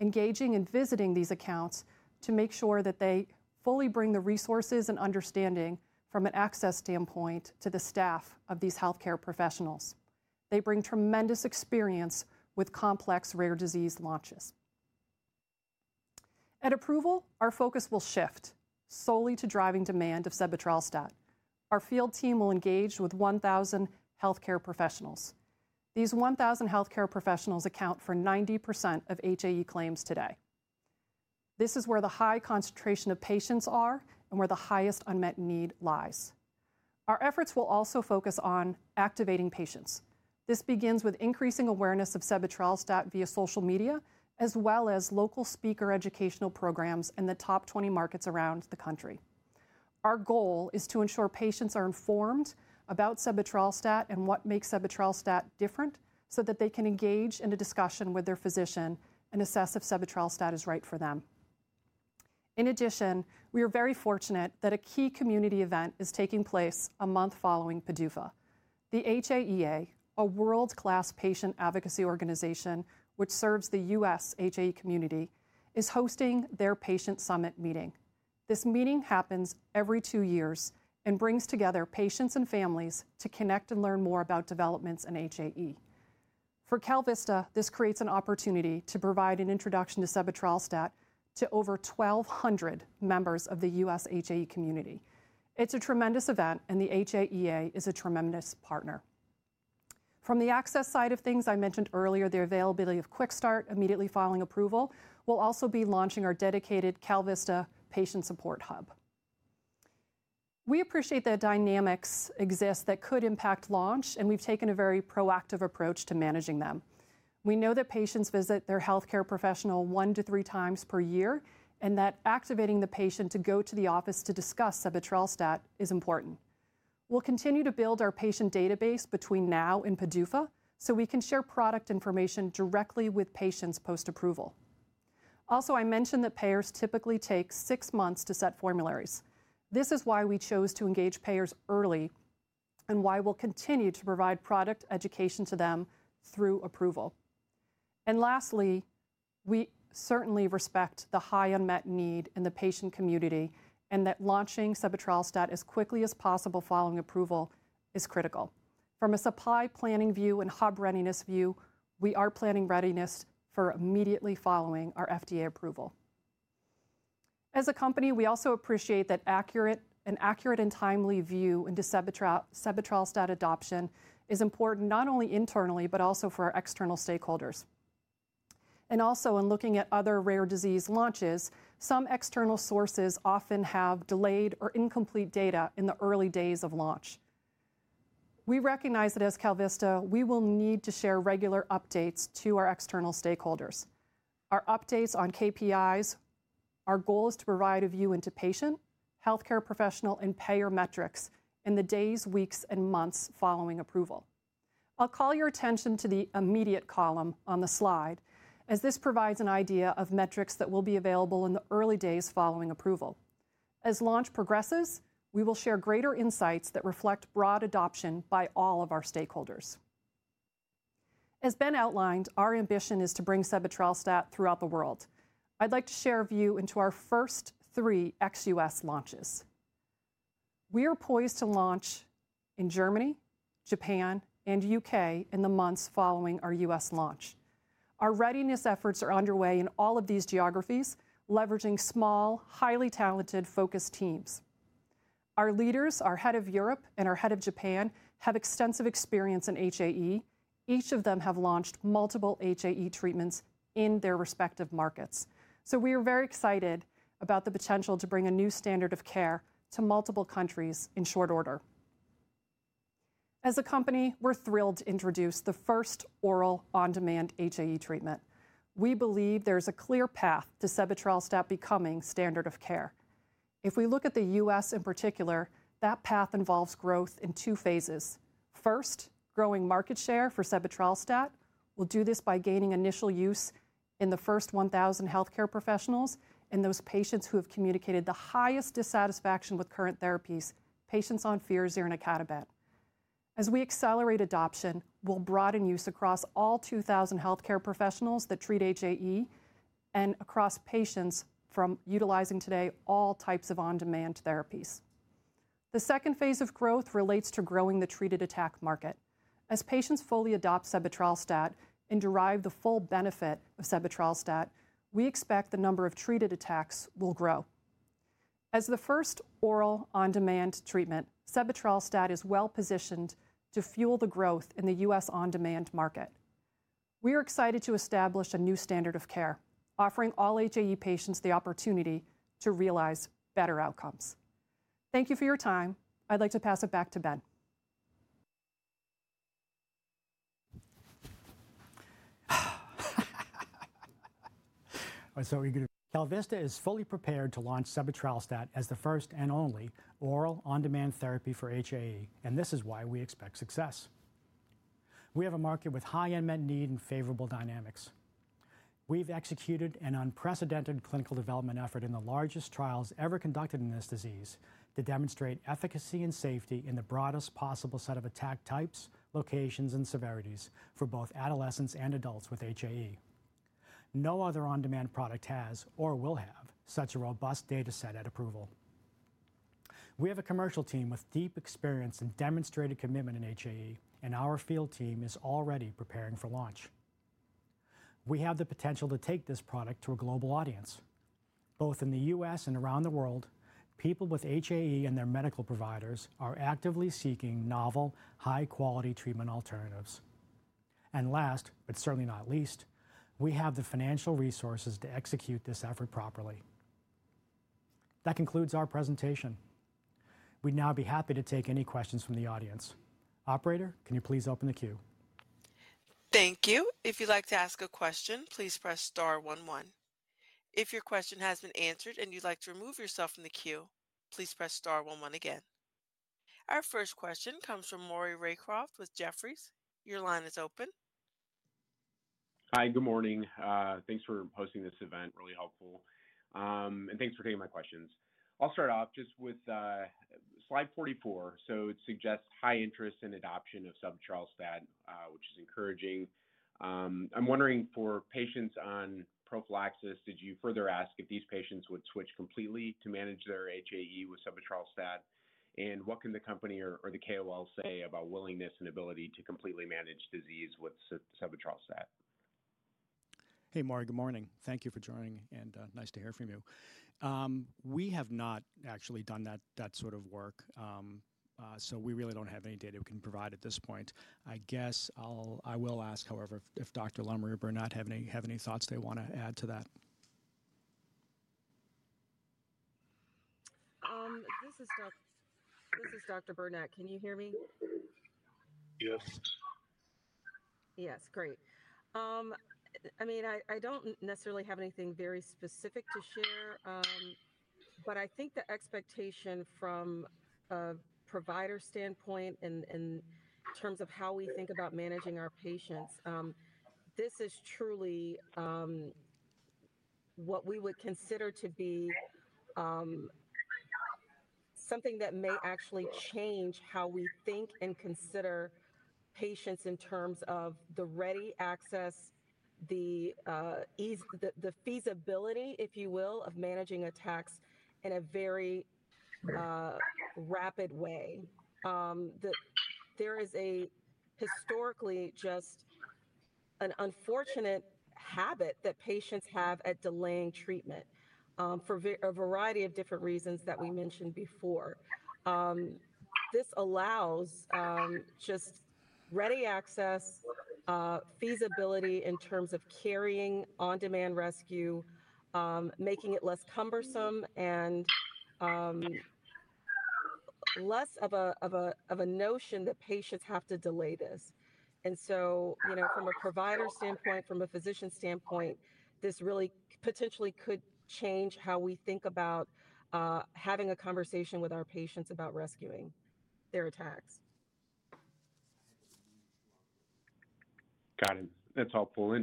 engaging and visiting these accounts to make sure that they fully bring the resources and understanding from an access standpoint to the staff of these healthcare professionals. They bring tremendous experience with complex rare disease launches. At approval, our focus will shift solely to driving demand of sebetralstat. Our field team will engage with 1,000 healthcare professionals. These 1,000 healthcare professionals account for 90% of HAE claims today. This is where the high concentration of patients are and where the highest unmet need lies. Our efforts will also focus on activating patients. This begins with increasing awareness of sebetralstat via social media as well as local speaker educational programs in the top 20 markets around the country. Our goal is to ensure patients are informed about sebetralstat and what makes sebetralstat different so that they can engage in a discussion with their physician and assess if sebetralstat is right for them. In addition, we are very fortunate that a key community event is taking place a month following PDUFA. The HAEA, a world-class patient advocacy organization which serves the U.S. HAE community, is hosting their patient summit meeting. This meeting happens every two years and brings together patients and families to connect and learn more about developments in HAE. For KalVista, this creates an opportunity to provide an introduction to sebetralstat to over 1,200 members of the U.S. HAE community. It's a tremendous event, and the HAEA is a tremendous partner. From the access side of things I mentioned earlier, the availability of quick start immediately following approval, we'll also be launching our dedicated KalVista patient support hub. We appreciate that dynamics exist that could impact launch, and we've taken a very proactive approach to managing them. We know that patients visit their healthcare professional one to three times per year and that activating the patient to go to the office to discuss sebetralstat is important. We'll continue to build our patient database between now and PDUFA so we can share product information directly with patients post-approval. Also, I mentioned that payers typically take six months to set formularies. This is why we chose to engage payers early and why we'll continue to provide product education to them through approval. Lastly, we certainly respect the high unmet need in the patient community and that launching sebetralstat as quickly as possible following approval is critical. From a supply planning view and hub readiness view, we are planning readiness for immediately following our FDA approval. As a company, we also appreciate that accurate and timely view into sebetralstat adoption is important not only internally, but also for our external stakeholders. Also, in looking at other rare disease launches, some external sources often have delayed or incomplete data in the early days of launch. We recognize that as KalVista, we will need to share regular updates to our external stakeholders. Our updates on KPIs, our goal is to provide a view into patient, healthcare professional, and payer metrics in the days, weeks, and months following approval. I'll call your attention to the immediate column on the slide as this provides an idea of metrics that will be available in the early days following approval. As launch progresses, we will share greater insights that reflect broad adoption by all of our stakeholders. As Ben outlined, our ambition is to bring sebetralstat throughout the world. I'd like to share a view into our first three ex-U.S. launches. We are poised to launch in Germany, Japan, and the U.K. in the months following our U.S. launch. Our readiness efforts are underway in all of these geographies, leveraging small, highly talented focus teams. Our leaders, our Head of Europe and our Head of Japan, have extensive experience in HAE. Each of them have launched multiple HAE treatments in their respective markets. We are very excited about the potential to bring a new standard of care to multiple countries in short order. As a company, we're thrilled to introduce the first oral on-demand HAE treatment. We believe there is a clear path to sebetralstat becoming standard of care. If we look at the U.S. in particular, that path involves growth in two phases. First, growing market share for sebetralstat. We will do this by gaining initial use in the first 1,000 healthcare professionals and those patients who have communicated the highest dissatisfaction with current therapies, patients on FIRAZYR and icatibant. As we accelerate adoption, we'll broaden use across all 2,000 healthcare professionals that treat HAE and across patients utilizing today all types of on-demand therapies. The second phase of growth relates to growing the treated attack market. As patients fully adopt sebetralstat and derive the full benefit of sebetralstat, we expect the number of treated attacks will grow. As the first oral on-demand treatment, sebetralstat is well positioned to fuel the growth in the U.S. on-demand market. We are excited to establish a new standard of care, offering all HAE patients the opportunity to realize better outcomes. Thank you for your time. I'd like to pass it back to Ben. I'm so eager to. KalVista is fully prepared to launch sebetralstat as the first and only oral on-demand therapy for HAE, and this is why we expect success. We have a market with high unmet need and favorable dynamics. We've executed an unprecedented clinical development effort in the largest trials ever conducted in this disease to demonstrate efficacy and safety in the broadest possible set of attack types, locations, and severities for both adolescents and adults with HAE. No other on-demand product has or will have such a robust data set at approval. We have a commercial team with deep experience and demonstrated commitment in HAE, and our field team is already preparing for launch. We have the potential to take this product to a global audience, both in the U.S. and around the world. People with HAE and their medical providers are actively seeking novel, high-quality treatment alternatives. Last, but certainly not least, we have the financial resources to execute this effort properly. That concludes our presentation. We'd now be happy to take any questions from the audience. Operator, can you please open the queue? Thank you. If you'd like to ask a question, please press star 11. If your question has been answered and you'd like to remove yourself from the queue, please press star 11 again. Our first question comes from Maury Raycroft with Jefferies. Your line is open. Hi, good morning. Thanks for hosting this event. Really helpful. Thanks for taking my questions. I'll start off just with slide 44. It suggests high interest in adoption of sebetralstat, which is encouraging. I'm wondering for patients on prophylaxis, did you further ask if these patients would switch completely to manage their HAE with sebetralstat? What can the company or the KOL say about willingness and ability to completely manage disease with sebetralstat? Hey, Maury, good morning. Thank you for joining, and nice to hear from you. We have not actually done that sort of work, so we really do not have any data we can provide at this point. I guess I will ask, however, if Dr. Lumry and Burnette have any thoughts they want to add to that. This is Dr. Burnette. Can you hear me? Yes. Yes, great. I mean, I do not necessarily have anything very specific to share, but I think the expectation from a provider standpoint and in terms of how we think about managing our patients, this is truly what we would consider to be something that may actually change how we think and consider patients in terms of the ready access, the feasibility, if you will, of managing attacks in a very rapid way. There is historically just an unfortunate habit that patients have at delaying treatment for a variety of different reasons that we mentioned before. This allows just ready access, feasibility in terms of carrying on-demand rescue, making it less cumbersome and less of a notion that patients have to delay this. From a provider standpoint, from a physician standpoint, this really potentially could change how we think about having a conversation with our patients about rescuing their attacks. Got it. That's helpful.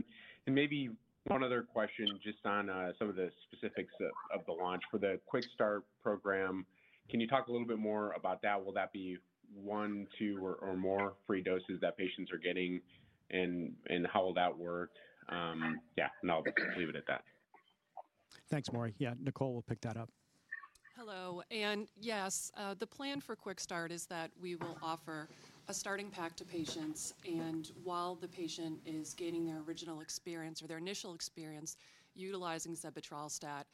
Maybe one other question just on some of the specifics of the launch for the quick start program. Can you talk a little bit more about that? Will that be one, two, or more free doses that patients are getting, and how will that work? Yeah, I'll leave it at that. Thanks, Maury. Yeah, Nicole will pick that up. Hello. Yes, the plan for quick start is that we will offer a starting pack to patients. While the patient is gaining their original experience or their initial experience utilizing sebetralstat,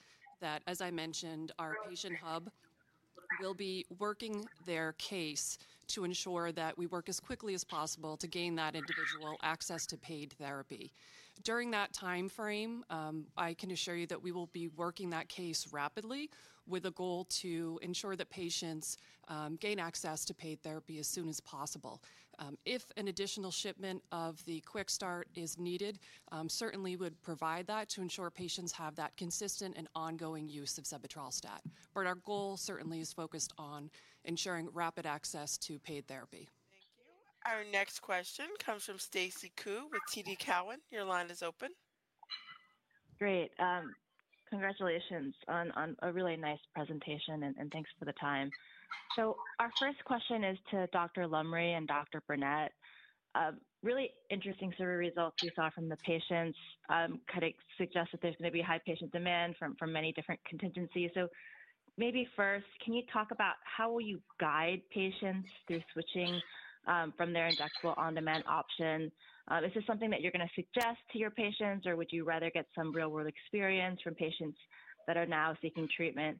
as I mentioned, our patient hub will be working their case to ensure that we work as quickly as possible to gain that individual access to paid therapy. During that timeframe, I can assure you that we will be working that case rapidly with a goal to ensure that patients gain access to paid therapy as soon as possible. If an additional shipment of the quick start is needed, we certainly would provide that to ensure patients have that consistent and ongoing use of sebetralstat. Our goal certainly is focused on ensuring rapid access to paid therapy. Thank you. Our next question comes from Stacy Ku with TD Cowen. Your line is open. Great. Congratulations on a really nice presentation, and thanks for the time. Our first question is to Dr. Lumry and Dr. Burnette, really interesting survey results we saw from the patients kind of suggest that there's going to be high patient demand from many different contingencies. Maybe first, can you talk about how will you guide patients through switching from their injectable on-demand option? Is this something that you're going to suggest to your patients, or would you rather get some real-world experience from patients that are now seeking treatment?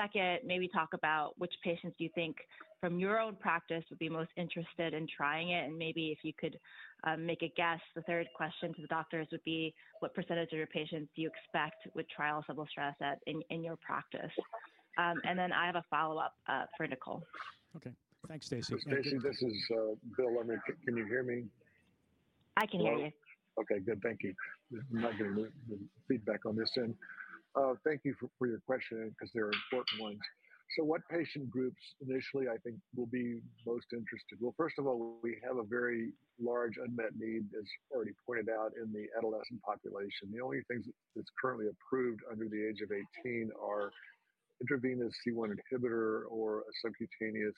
Second, maybe talk about which patients do you think from your own practice would be most interested in trying it? If you could make a guess, the third question to the doctors would be what percentage of your patients do you expect would try sebetralstat in your practice? I have a follow-up for Nicole. Okay. Thanks, Stacy. Stacy, this is Bill Lumry. Can you hear me? I can hear you. Okay, good. Thank you. I'm not getting the feedback on this end. Thank you for your question because they're important ones. What patient groups initially I think will be most interested? First of all, we have a very large unmet need, as already pointed out, in the adolescent population. The only things that's currently approved under the age of 18 are intravenous C1 inhibitor or a subcutaneous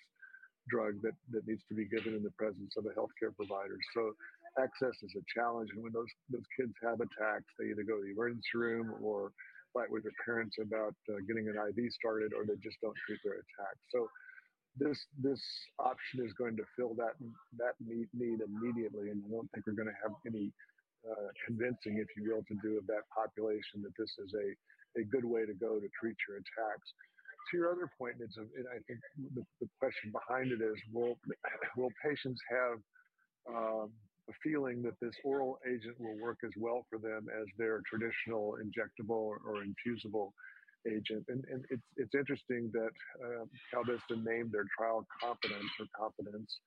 drug that needs to be given in the presence of a healthcare provider. Access is a challenge. When those kids have attacks, they either go to the emergency room or fight with their parents about getting an IV started, or they just don't treat their attacks. This option is going to fill that need immediately. I don't think we're going to have any convincing, if you will, to do of that population that this is a good way to go to treat your attacks. To your other point, and I think the question behind it is, will patients have a feeling that this oral agent will work as well for them as their traditional injectable or infusible agent? It's interesting that KalVista named their trial KONFIDENT or KONFIDENT-S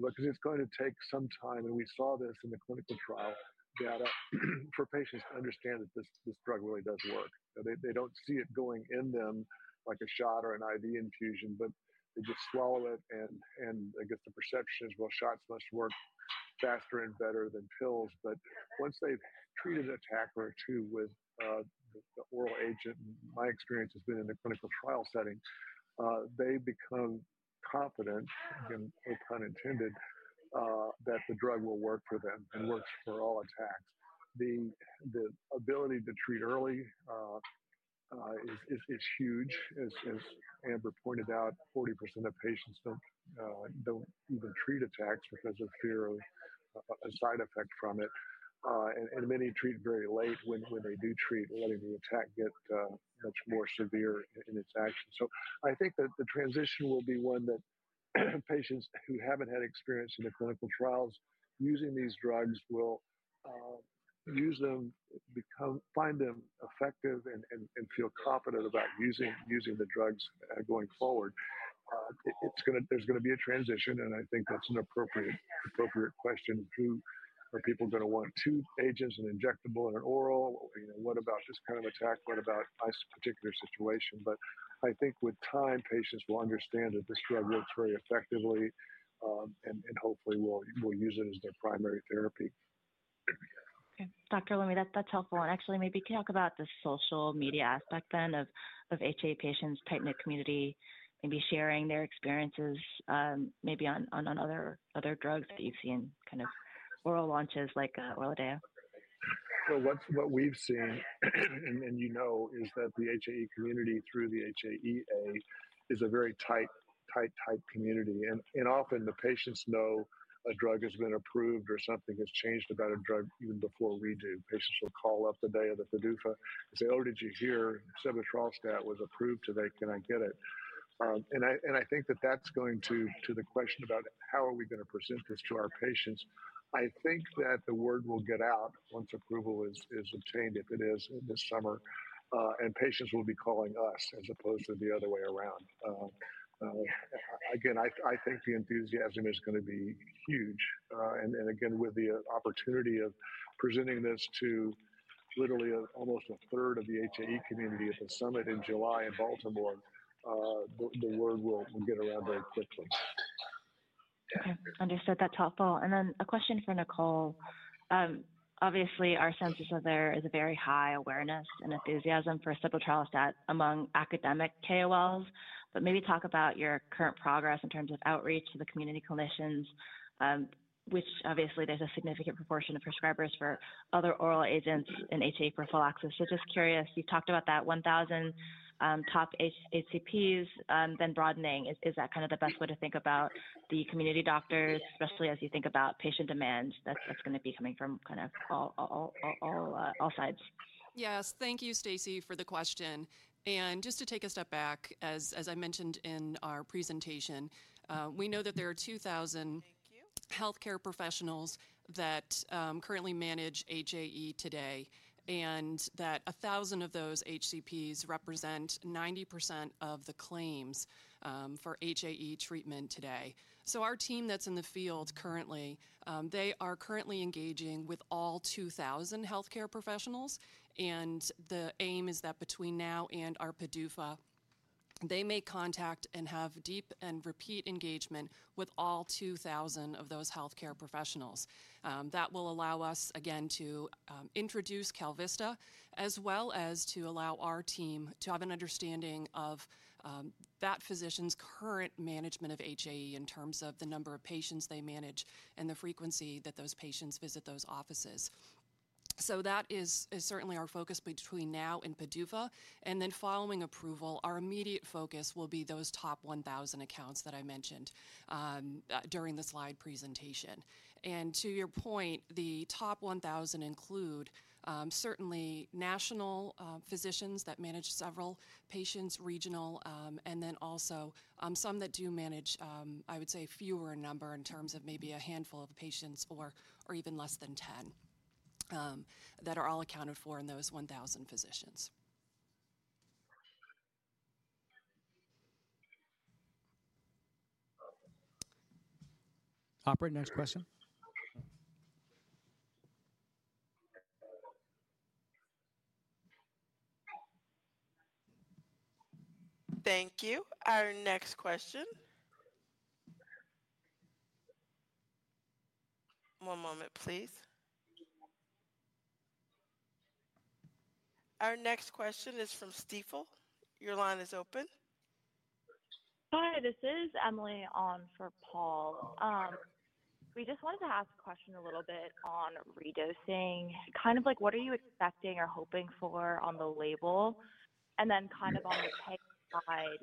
because it's going to take some time. We saw this in the clinical trial data for patients to understand that this drug really does work. They don't see it going in them like a shot or an IV infusion, but they just swallow it. I guess the perception is, shots must work faster and better than pills. Once they've treated an attack or two with the oral agent, my experience has been in the clinical trial setting, they become confident, again, no pun intended, that the drug will work for them and works for all attacks. The ability to treat early is huge. As Amber pointed out, 40% of patients do not even treat attacks because of fear of a side effect from it. Many treat very late when they do treat, letting the attack get much more severe in its action. I think that the transition will be one that patients who have not had experience in the clinical trials using these drugs will use them, find them effective, and feel confident about using the drugs going forward. There is going to be a transition, and I think that is an appropriate question. Are people going to want two agents, an injectable and an oral? What about this kind of attack? What about my particular situation? I think with time, patients will understand that this drug works very effectively and hopefully will use it as their primary therapy. Okay. Dr. Lumry, that's helpful. Actually, maybe talk about the social media aspect then of HAE patients, tight-knit community, maybe sharing their experiences maybe on other drugs that you've seen, kind of oral launches like ORLADEYO. What we've seen, and you know, is that the HAE community through the HAEA is a very tight, tight, tight community. Often the patients know a drug has been approved or something has changed about a drug even before we do. Patients will call up the day of the PDUFA and say, "Oh, did you hear sebetralstat was approved today? Can I get it?" I think that that's going to the question about how are we going to present this to our patients. I think that the word will get out once approval is obtained, if it is, this summer, and patients will be calling us as opposed to the other way around. I think the enthusiasm is going to be huge. With the opportunity of presenting this to literally almost a third of the HAE community at the summit in July in Baltimore, the word will get around very quickly. Okay. Understood. That's helpful. A question for Nicole. Obviously, our sense is there is a very high awareness and enthusiasm for sebetralstat among academic KOLs, but maybe talk about your current progress in terms of outreach to the community clinicians, which obviously there's a significant proportion of prescribers for other oral agents and HAE prophylaxis. Just curious, you've talked about that 1,000 top HCPs, then broadening. Is that kind of the best way to think about the community doctors, especially as you think about patient demand that's going to be coming from kind of all sides? Yes. Thank you, Stacy, for the question. Just to take a step back, as I mentioned in our presentation, we know that there are 2,000 healthcare professionals that currently manage HAE today and that 1,000 of those HCPs represent 90% of the claims for HAE treatment today. Our team that's in the field currently, they are currently engaging with all 2,000 healthcare professionals. The aim is that between now and our PDUFA, they may contact and have deep and repeat engagement with all 2,000 of those healthcare professionals. That will allow us, again, to introduce KalVista as well as to allow our team to have an understanding of that physician's current management of HAE in terms of the number of patients they manage and the frequency that those patients visit those offices. That is certainly our focus between now and PDUFA. Following approval, our immediate focus will be those top 1,000 accounts that I mentioned during the slide presentation. To your point, the top 1,000 include certainly national physicians that manage several patients, regional, and then also some that do manage, I would say, fewer in number in terms of maybe a handful of patients or even less than 10 that are all accounted for in those 1,000 physicians. Operator, next question. Thank you. Our next question. One moment, please. Our next question is from Stifel. Your line is open. Hi, this is Emily on for Paul. We just wanted to ask a question a little bit on redosing, kind of like what are you expecting or hoping for on the label? And then kind of on the peg side,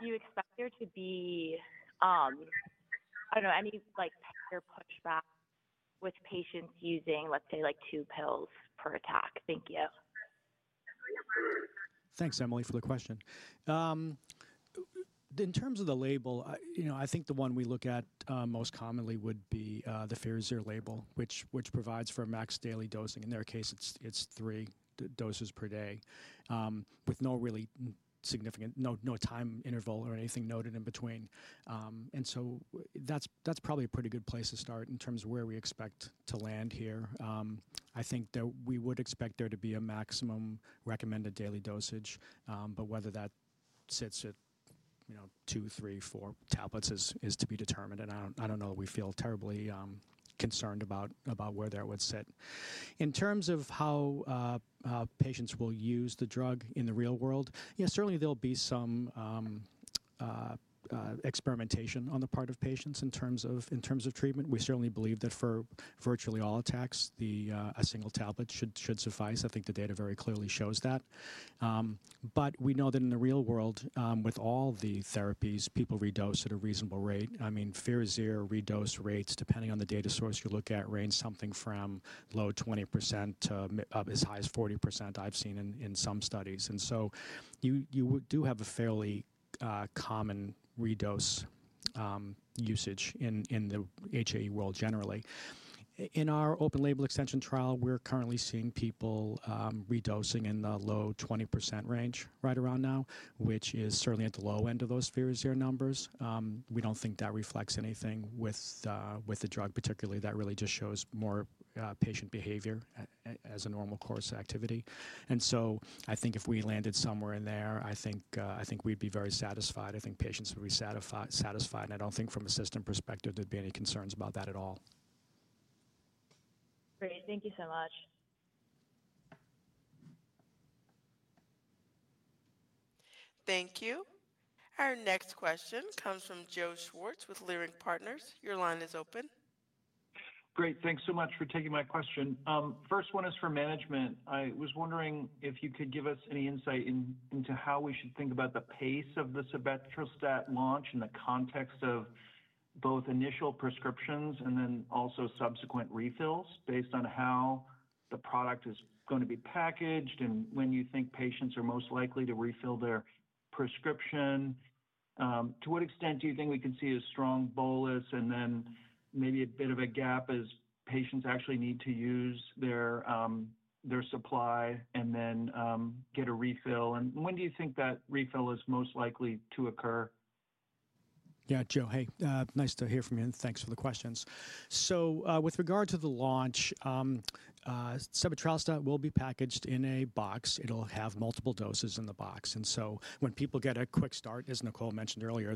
do you expect there to be, I don't know, any pushback with patients using, let's say, two pills per attack? Thank you. Thanks, Emily, for the question. In terms of the label, I think the one we look at most commonly would be the FIRAZYR label, which provides for max daily dosing. In their case, it's three doses per day with no really significant no time interval or anything noted in between. That's probably a pretty good place to start in terms of where we expect to land here. I think that we would expect there to be a maximum recommended daily dosage, but whether that sits at two, three, four tablets is to be determined. I don't know that we feel terribly concerned about where that would sit. In terms of how patients will use the drug in the real world, yeah, certainly there'll be some experimentation on the part of patients in terms of treatment. We certainly believe that for virtually all attacks, a single tablet should suffice. I think the data very clearly shows that. We know that in the real world, with all the therapies, people redose at a reasonable rate. I mean, FIRAZYR redose rates, depending on the data source you look at, range something from low 20% to as high as 40% I've seen in some studies. You do have a fairly common redose usage in the HAE world generally. In our open label extension trial, we're currently seeing people redosing in the low 20% range right around now, which is certainly at the low end of those FIRAZYR numbers. We don't think that reflects anything with the drug, particularly that really just shows more patient behavior as a normal course of activity. I think if we landed somewhere in there, I think we'd be very satisfied. I think patients would be satisfied. I don't think from a system perspective, there'd be any concerns about that at all. Great. Thank you so much. Thank you. Our next question comes from Joe Schwartz with Leerink Partners. Your line is open. Great. Thanks so much for taking my question. First one is for management. I was wondering if you could give us any insight into how we should think about the pace of the sebetralstat launch in the context of both initial prescriptions and then also subsequent refills based on how the product is going to be packaged and when you think patients are most likely to refill their prescription. To what extent do you think we can see a strong bolus and then maybe a bit of a gap as patients actually need to use their supply and then get a refill? When do you think that refill is most likely to occur? Yeah, Joe, hey, nice to hear from you. Thanks for the questions. With regard to the launch, sebetralstat will be packaged in a box. It'll have multiple doses in the box. When people get a quick start, as Nicole mentioned earlier,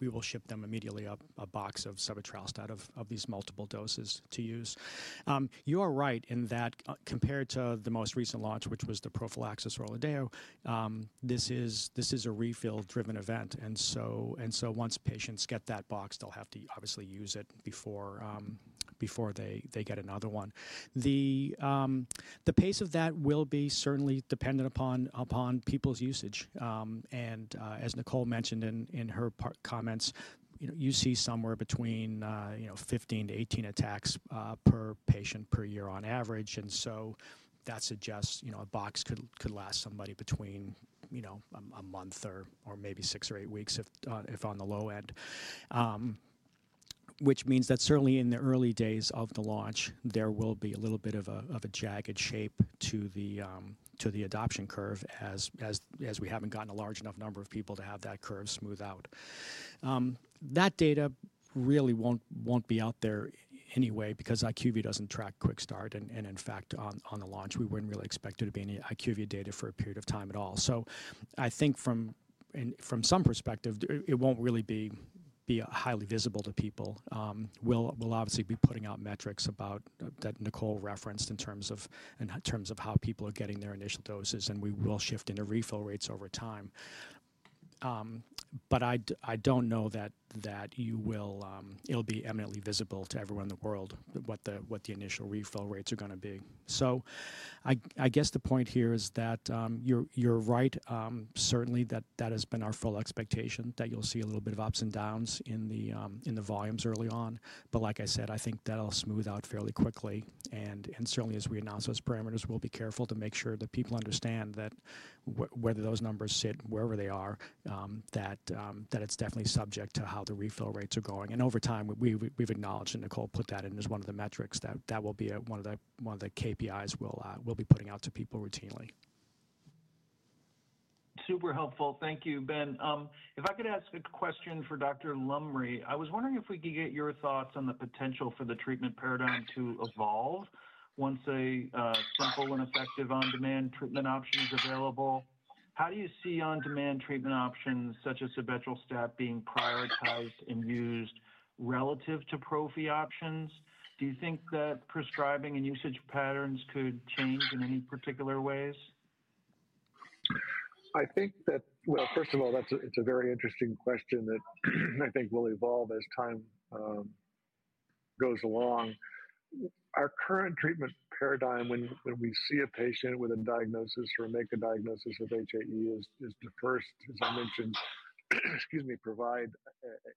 we will ship them immediately a box of sebetralstat of these multiple doses to use. You are right in that compared to the most recent launch, which was the prophylaxis ORLADEYO, this is a refill-driven event. Once patients get that box, they'll have to obviously use it before they get another one. The pace of that will be certainly dependent upon people's usage. As Nicole mentioned in her comments, you see somewhere between 15-18 attacks per patient per year on average. That suggests a box could last somebody between a month or maybe six or eight weeks if on the low end, which means that certainly in the early days of the launch, there will be a little bit of a jagged shape to the adoption curve as we have not gotten a large enough number of people to have that curve smooth out. That data really will not be out there anyway because IQVIA does not track QuickStart. In fact, on the launch, we would not really expect there to be any IQVIA data for a period of time at all. I think from some perspective, it will not really be highly visible to people. We will obviously be putting out metrics about that Nicole referenced in terms of how people are getting their initial doses, and we will shift in the refill rates over time. I do not know that it will be eminently visible to everyone in the world what the initial refill rates are going to be. I guess the point here is that you are right, certainly that has been our full expectation that you will see a little bit of ups and downs in the volumes early on. Like I said, I think that will smooth out fairly quickly. Certainly, as we announce those parameters, we will be careful to make sure that people understand that whether those numbers sit wherever they are, it is definitely subject to how the refill rates are going. Over time, we have acknowledged, and Nicole put that in as one of the metrics that will be one of the KPIs we will be putting out to people routinely. Super helpful. Thank you, Ben. If I could ask a question for Dr. Lumry, I was wondering if we could get your thoughts on the potential for the treatment paradigm to evolve once a simple and effective on-demand treatment option is available. How do you see on-demand treatment options such as sebetralstat being prioritized and used relative to prophy options? Do you think that prescribing and usage patterns could change in any particular ways? I think that, first of all, it's a very interesting question that I think will evolve as time goes along. Our current treatment paradigm, when we see a patient with a diagnosis or make a diagnosis of HAE, is to first, as I mentioned, provide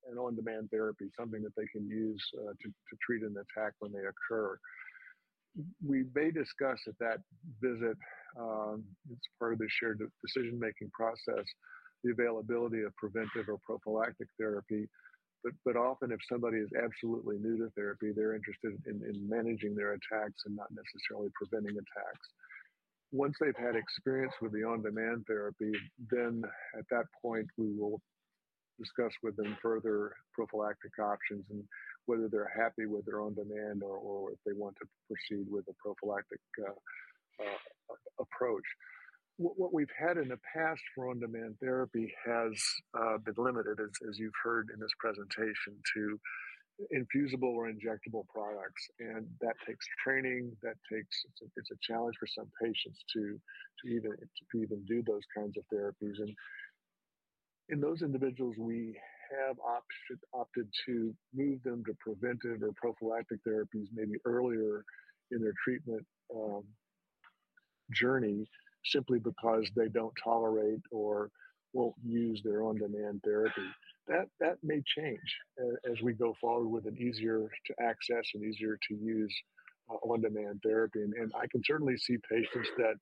an on-demand therapy, something that they can use to treat an attack when they occur. We may discuss at that visit, as part of the shared decision-making process, the availability of preventive or prophylactic therapy. Often, if somebody is absolutely new to therapy, they're interested in managing their attacks and not necessarily preventing attacks. Once they've had experience with the on-demand therapy, at that point, we will discuss with them further prophylactic options and whether they're happy with their on-demand or if they want to proceed with a prophylactic approach. What we've had in the past for on-demand therapy has been limited, as you've heard in this presentation, to infusible or injectable products. That takes training. It's a challenge for some patients to even do those kinds of therapies. In those individuals, we have opted to move them to preventive or prophylactic therapies maybe earlier in their treatment journey simply because they don't tolerate or won't use their on-demand therapy. That may change as we go forward with an easier-to-access and easier-to-use on-demand therapy. I can certainly see patients that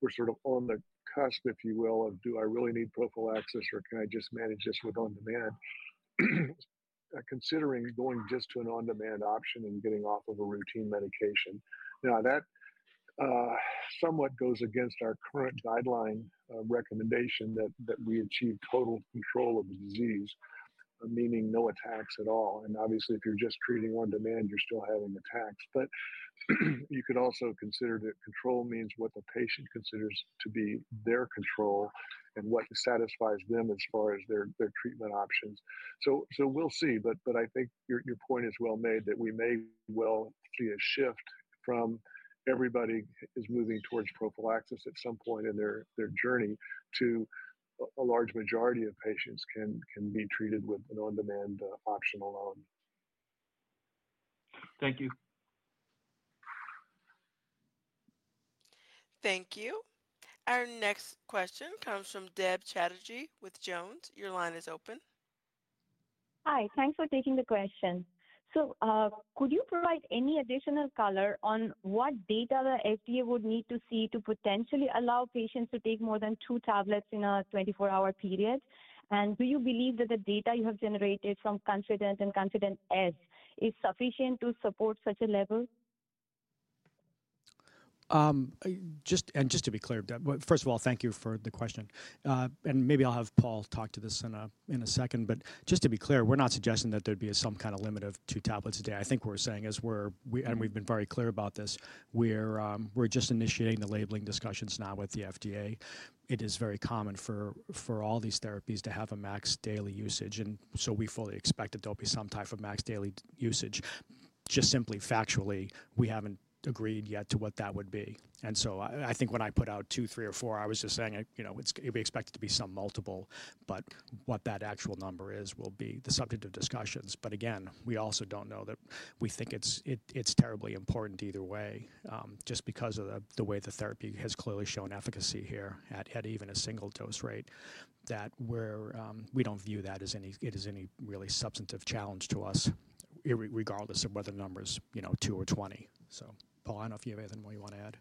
were sort of on the cusp, if you will, of, "Do I really need prophylaxis or can I just manage this with on-demand?" considering going just to an on-demand option and getting off of a routine medication. Now, that somewhat goes against our current guideline recommendation that we achieve total control of the disease, meaning no attacks at all. Obviously, if you're just treating on-demand, you're still having attacks. You could also consider that control means what the patient considers to be their control and what satisfies them as far as their treatment options. We'll see. I think your point is well made that we may well see a shift from everybody is moving towards prophylaxis at some point in their journey to a large majority of patients can be treated with an on-demand option alone. Thank you. Thank you. Our next question comes from Deb Chatterjee with Jones. Your line is open. Hi. Thanks for taking the question. Could you provide any additional color on what data the FDA would need to see to potentially allow patients to take more than two tablets in a 24-hour period? Do you believe that the data you have generated from KONFIDENT and KONFIDENT-S is sufficient to support such a level? Just to be clear, first of all, thank you for the question. Maybe I'll have Paul talk to this in a second. Just to be clear, we're not suggesting that there'd be some kind of limit of two tablets a day. I think what we're saying is, and we've been very clear about this, we're just initiating the labeling discussions now with the FDA. It is very common for all these therapies to have a max daily usage. We fully expect that there'll be some type of max daily usage. Just simply factually, we haven't agreed yet to what that would be. I think when I put out two, three, or four, I was just saying it'd be expected to be some multiple. What that actual number is will be the subject of discussions. Again, we also do not know that we think it is terribly important either way just because of the way the therapy has clearly shown efficacy here at even a single dose rate that we do not view that as any really substantive challenge to us regardless of whether the number is 2 or 20. Paul, I do not know if you have anything more you want to add.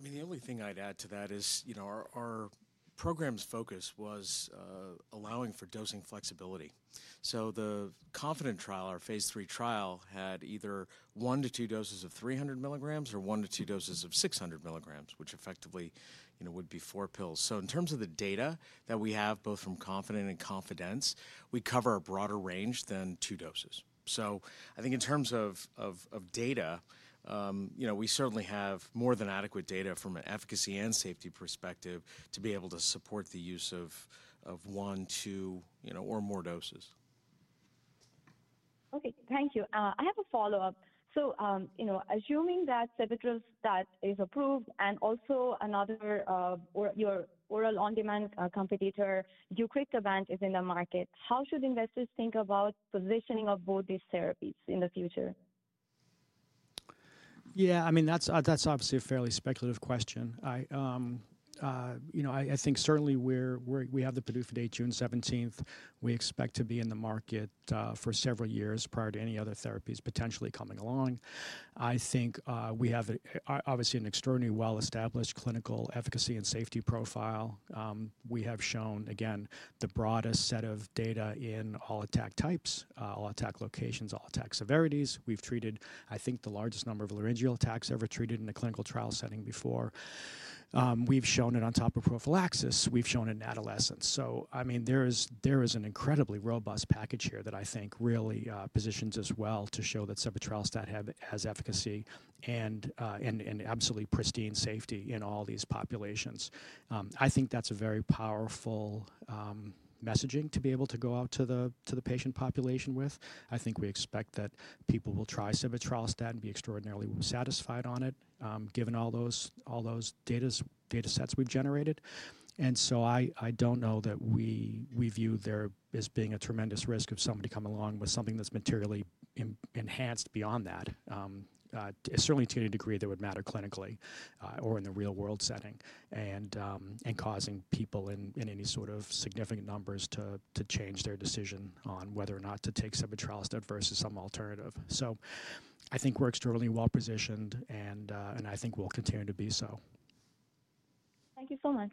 I mean, the only thing I'd add to that is our program's focus was allowing for dosing flexibility. The KONFIDENT trial, our phase III trial, had either one to two doses of 300 milligrams or one to two doses of 600 milligrams, which effectively would be four pills. In terms of the data that we have both from KONFIDENT and KONFIDENT-S, we cover a broader range than two doses. I think in terms of data, we certainly have more than adequate data from an efficacy and safety perspective to be able to support the use of one, two, or more doses. Okay. Thank you. I have a follow-up. Assuming that sebetralstat is approved and also another oral on-demand competitor, deucrictibant, is in the market, how should investors think about positioning of both these therapies in the future? Yeah, I mean, that's obviously a fairly speculative question. I think certainly we have the PDUFA date June 17th. We expect to be in the market for several years prior to any other therapies potentially coming along. I think we have obviously an extraordinarily well-established clinical efficacy and safety profile. We have shown, again, the broadest set of data in all attack types, all attack locations, all attack severities. We've treated, I think, the largest number of laryngeal attacks ever treated in a clinical trial setting before. We've shown it on top of prophylaxis. We've shown it in adolescents. I mean, there is an incredibly robust package here that I think really positions us well to show that sebetralstat has efficacy and absolutely pristine safety in all these populations. I think that's a very powerful messaging to be able to go out to the patient population with. I think we expect that people will try sebetralstat and be extraordinarily satisfied on it given all those data sets we've generated. I don't know that we view there as being a tremendous risk of somebody coming along with something that's materially enhanced beyond that, certainly to any degree that would matter clinically or in the real-world setting and causing people in any sort of significant numbers to change their decision on whether or not to take sebetralstat versus some alternative. I think we're extraordinarily well-positioned, and I think we'll continue to be so. Thank you so much.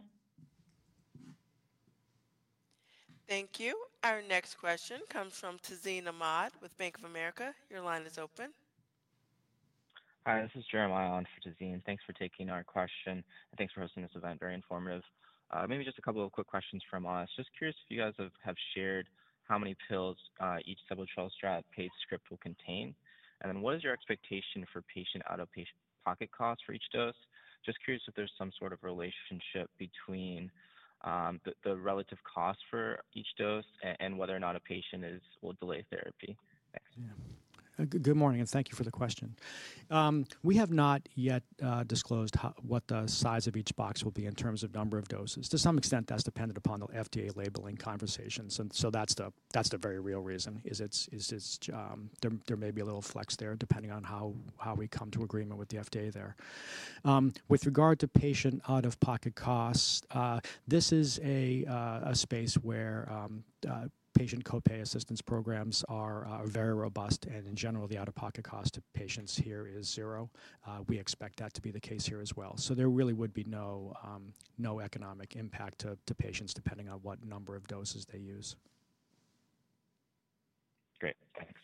Thank you. Our next question comes from Tazeen Ahmad with Bank of America. Your line is open. Hi, this is Jeremiah on for Tazeen. Thanks for taking our question. Thanks for hosting this event. Very informative. Maybe just a couple of quick questions from us. Just curious if you guys have shared how many pills each sebetralstat paid script will contain. And then what is your expectation for patient out-of-pocket cost for each dose? Just curious if there's some sort of relationship between the relative cost for each dose and whether or not a patient will delay therapy. Thanks. Good morning, and thank you for the question. We have not yet disclosed what the size of each box will be in terms of number of doses. To some extent, that's dependent upon the FDA labeling conversations. That is the very real reason, as there may be a little flex there depending on how we come to agreement with the FDA there. With regard to patient out-of-pocket cost, this is a space where patient copay assistance programs are very robust. In general, the out-of-pocket cost to patients here is zero. We expect that to be the case here as well. There really would be no economic impact to patients depending on what number of doses they use. Great. Thanks.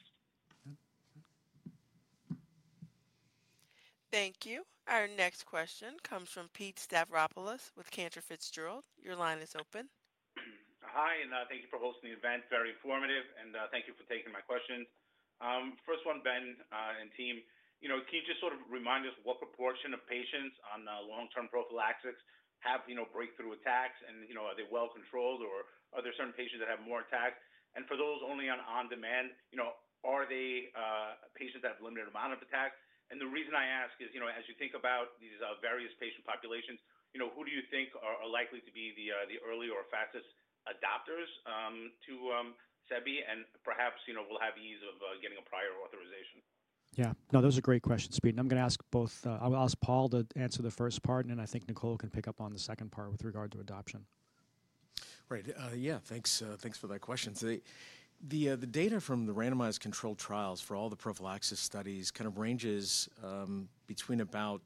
Thank you. Our next question comes from Pete Stavropoulos with Cantor Fitzgerald. Your line is open. Hi, and thank you for hosting the event. Very informative. Thank you for taking my questions. First one, Ben and team, can you just sort of remind us what proportion of patients on long-term prophylaxis have breakthrough attacks? Are they well-controlled, or are there certain patients that have more attacks? For those only on on-demand, are they patients that have a limited amount of attacks? The reason I ask is, as you think about these various patient populations, who do you think are likely to be the early or fastest adopters to sebetralstat? Perhaps we'll have ease of getting a prior authorization. Yeah. No, those are great questions, Pete. I'm going to ask both. I'll ask Paul to answer the first part, and then I think Nicole can pick up on the second part with regard to adoption. Right. Yeah, thanks for that question. The data from the randomized controlled trials for all the prophylaxis studies kind of ranges between about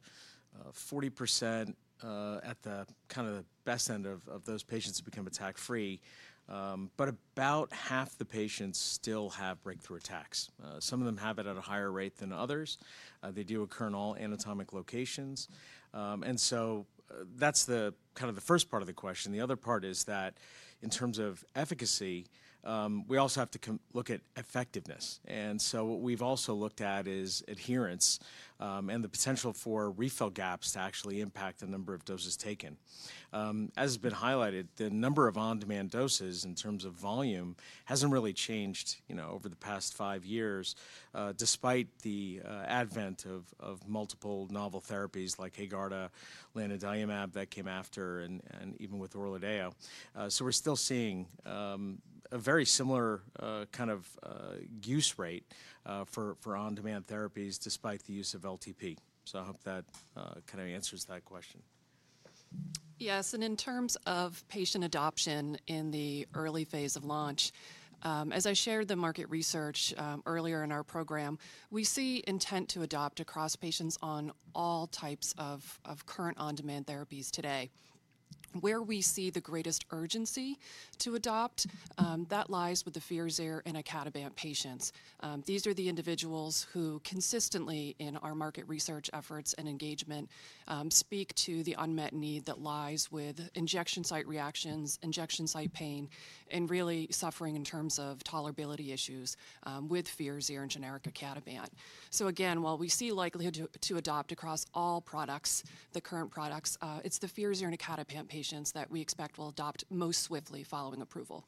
40% at the kind of the best end of those patients who become attack-free. About half the patients still have breakthrough attacks. Some of them have it at a higher rate than others. They do occur in all anatomic locations. That is kind of the first part of the question. The other part is that in terms of efficacy, we also have to look at effectiveness. What we have also looked at is adherence and the potential for refill gaps to actually impact the number of doses taken. As has been highlighted, the number of on-demand doses in terms of volume has not really changed over the past five years despite the advent of multiple novel therapies like FIRAZYR, lanadelumab that came after, and even with ORLADEYO. We are still seeing a very similar kind of use rate for on-demand therapies despite the use of long-term prophylaxis. I hope that kind of answers that question. Yes. In terms of patient adoption in the early phase of launch, as I shared the market research earlier in our program, we see intent to adopt across patients on all types of current on-demand therapies today. Where we see the greatest urgency to adopt, that lies with the FIRAZYR and icatibant patients. These are the individuals who consistently in our market research efforts and engagement speak to the unmet need that lies with injection site reactions, injection site pain, and really suffering in terms of tolerability issues with FIRAZYR and generic icatibant. Again, while we see likelihood to adopt across all products, the current products, it is the FIRAZYR and icatibant patients that we expect will adopt most swiftly following approval.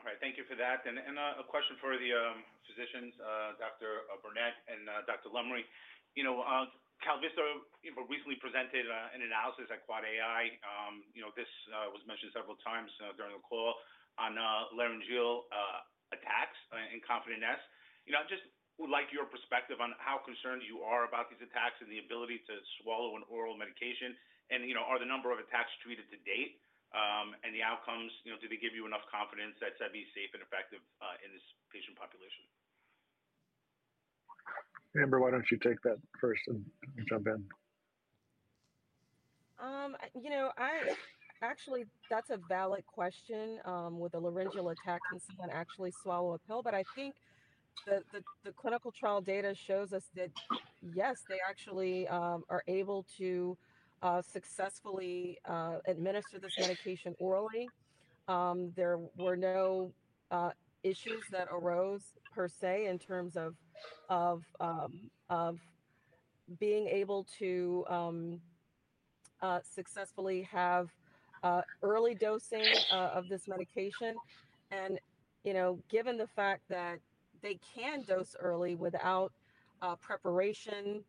All right. Thank you for that. A question for the physicians, Dr. Burnette and Dr. Lumry. KalVista recently presented an analysis at QuadAI. This was mentioned several times during the call on laryngeal attacks in KONFIDENT-S. Just would like your perspective on how concerned you are about these attacks and the ability to swallow an oral medication. Are the number of attacks treated to date and the outcomes—do they give you enough confidence that sebetralstat is safe and effective in this patient population? Amber, why don't you take that first and jump in? Actually, that's a valid question. With a laryngeal attack, can someone actually swallow a pill? I think the clinical trial data shows us that, yes, they actually are able to successfully administer this medication orally. There were no issues that arose per se in terms of being able to successfully have early dosing of this medication. Given the fact that they can dose early without preparation,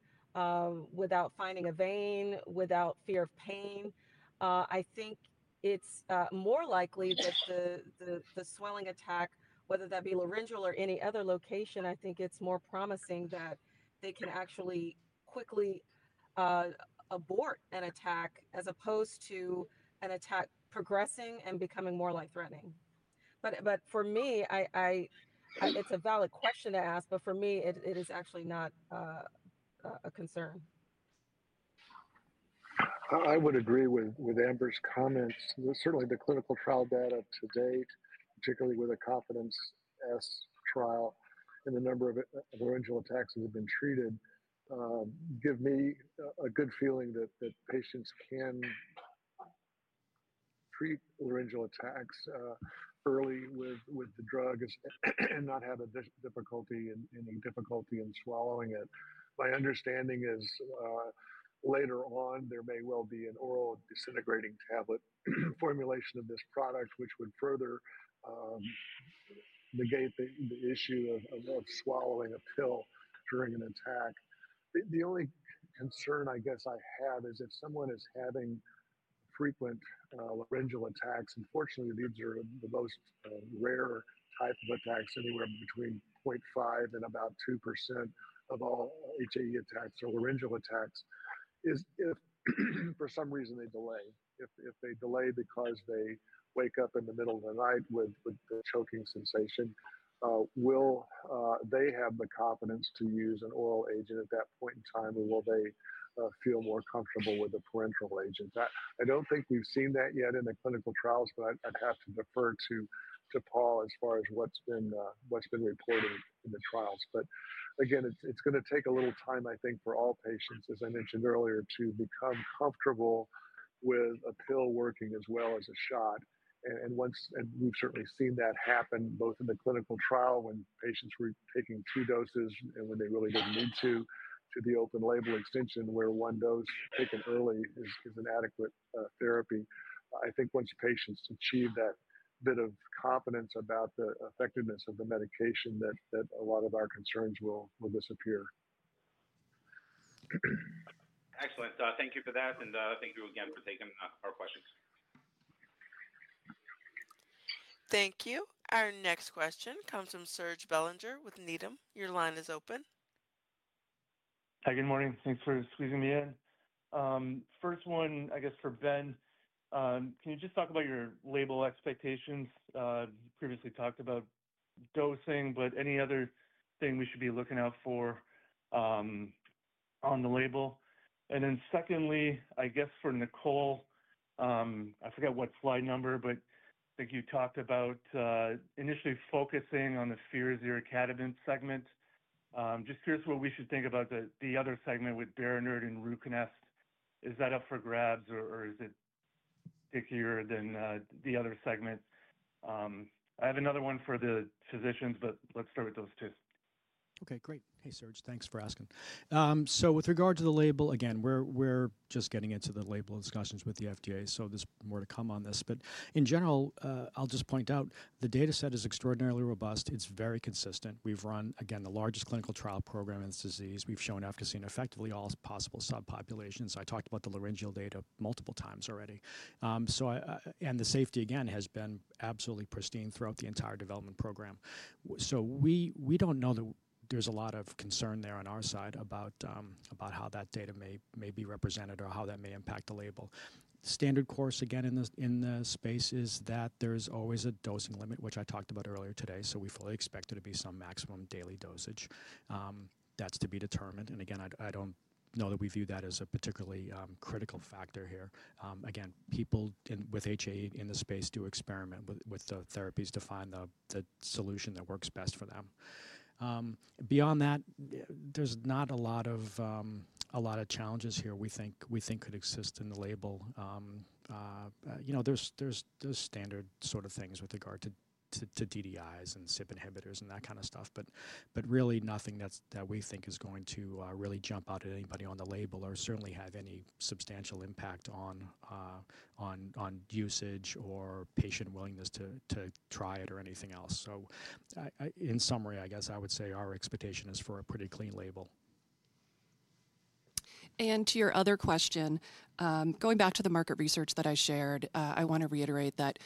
without finding a vein, without fear of pain, I think it's more likely that the swelling attack, whether that be laryngeal or any other location, I think it's more promising that they can actually quickly abort an attack as opposed to an attack progressing and becoming more life-threatening. For me, it's a valid question to ask, but for me, it is actually not a concern. I would agree with Amber's comments. Certainly, the clinical trial data to date, particularly with a KONFIDENT-S trial and the number of laryngeal attacks that have been treated, give me a good feeling that patients can treat laryngeal attacks early with the drug and not have any difficulty in swallowing it. My understanding is later on, there may well be an oral disintegrating tablet formulation of this product, which would further negate the issue of swallowing a pill during an attack. The only concern I guess I have is if someone is having frequent laryngeal attacks. Unfortunately, these are the most rare type of attacks, anywhere between 0.5% and about 2% of all HAE attacks are laryngeal attacks. If for some reason they delay, if they delay because they wake up in the middle of the night with the choking sensation, will they have the confidence to use an oral agent at that point in time, or will they feel more comfortable with a parenteral agent? I do not think we have seen that yet in the clinical trials, but I would have to defer to Paul as far as what has been reported in the trials. Again, it is going to take a little time, I think, for all patients, as I mentioned earlier, to become comfortable with a pill working as well as a shot. We have certainly seen that happen both in the clinical trial when patients were taking two doses and when they really did not need to, to the open label extension where one dose taken early is an adequate therapy. I think once patients achieve that bit of confidence about the effectiveness of the medication, that a lot of our concerns will disappear. Excellent. Thank you for that. Thank you again for taking our questions. Thank you. Our next question comes from Serge Belanger with Needham. Your line is open. Hi, good morning. Thanks for squeezing me in. First one, I guess for Ben, can you just talk about your label expectations? You previously talked about dosing, but any other thing we should be looking out for on the label? Secondly, I guess for Nicole, I forget what slide number, but I think you talked about initially focusing on the FIRAZYR-icatibant segment. Just curious what we should think about the other segment with Berinert and Ruconest. Is that up for grabs, or is it stickier than the other segment? I have another one for the physicians, but let's start with those two. Okay. Great. Hey, Serge, thanks for asking. With regard to the label, again, we're just getting into the label discussions with the FDA, so there's more to come on this. In general, I'll just point out the data set is extraordinarily robust. It's very consistent. We've run, again, the largest clinical trial program in this disease. We've shown efficacy in effectively all possible subpopulations. I talked about the laryngeal data multiple times already. The safety, again, has been absolutely pristine throughout the entire development program. We don't know that there's a lot of concern there on our side about how that data may be represented or how that may impact the label. Standard course, again, in the space is that there's always a dosing limit, which I talked about earlier today. We fully expect there to be some maximum daily dosage. That's to be determined. I do not know that we view that as a particularly critical factor here. People with HAE in the space do experiment with the therapies to find the solution that works best for them. Beyond that, there is not a lot of challenges here we think could exist in the label. There are standard sort of things with regard to DDIs and SIP inhibitors and that kind of stuff, but really nothing that we think is going to really jump out at anybody on the label or certainly have any substantial impact on usage or patient willingness to try it or anything else. In summary, I guess I would say our expectation is for a pretty clean label. To your other question, going back to the market research that I shared, I want to reiterate that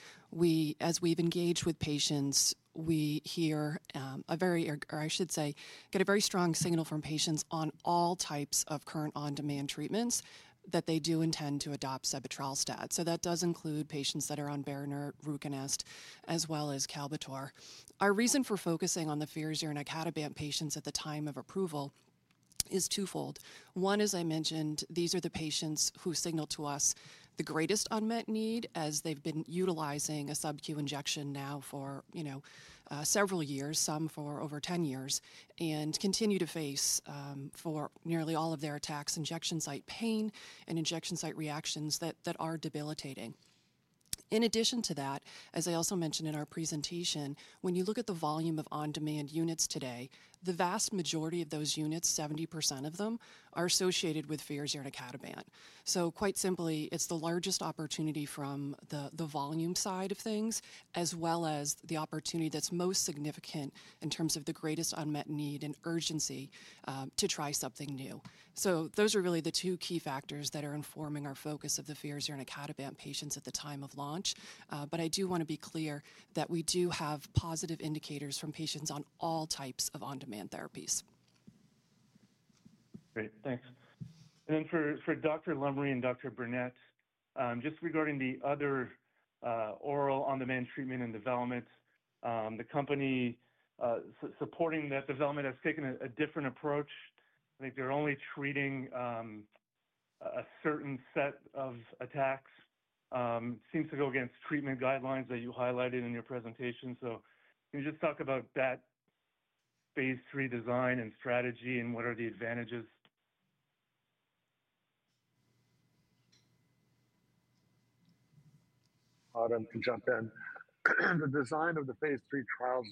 as we've engaged with patients, we hear a very, or I should say, get a very strong signal from patients on all types of current on-demand treatments that they do intend to adopt sebetralstat. That does include patients that are on Berinert, Ruconest, as well as Kalbitor. Our reason for focusing on the FIRAZYR and icatibant patients at the time of approval is twofold. One, as I mentioned, these are the patients who signal to us the greatest unmet need as they've been utilizing a subQ injection now for several years, some for over 10 years, and continue to face for nearly all of their attacks injection site pain and injection site reactions that are debilitating. In addition to that, as I also mentioned in our presentation, when you look at the volume of on-demand units today, the vast majority of those units, 70% of them, are associated with FIRAZYR and icatibant. Quite simply, it is the largest opportunity from the volume side of things, as well as the opportunity that is most significant in terms of the greatest unmet need and urgency to try something new. Those are really the two key factors that are informing our focus of the FIRAZYR and icatibant patients at the time of launch. I do want to be clear that we do have positive indicators from patients on all types of on-demand therapies. Great. Thanks. For Dr. Lumry and Dr. Burnette, just regarding the other oral on-demand treatment in development, the company supporting that development has taken a different approach. I think they're only treating a certain set of attacks. It seems to go against treatment guidelines that you highlighted in your presentation. Can you just talk about that phase III design and strategy and what are the advantages? Autumn, to jump in. The design of the phase III trials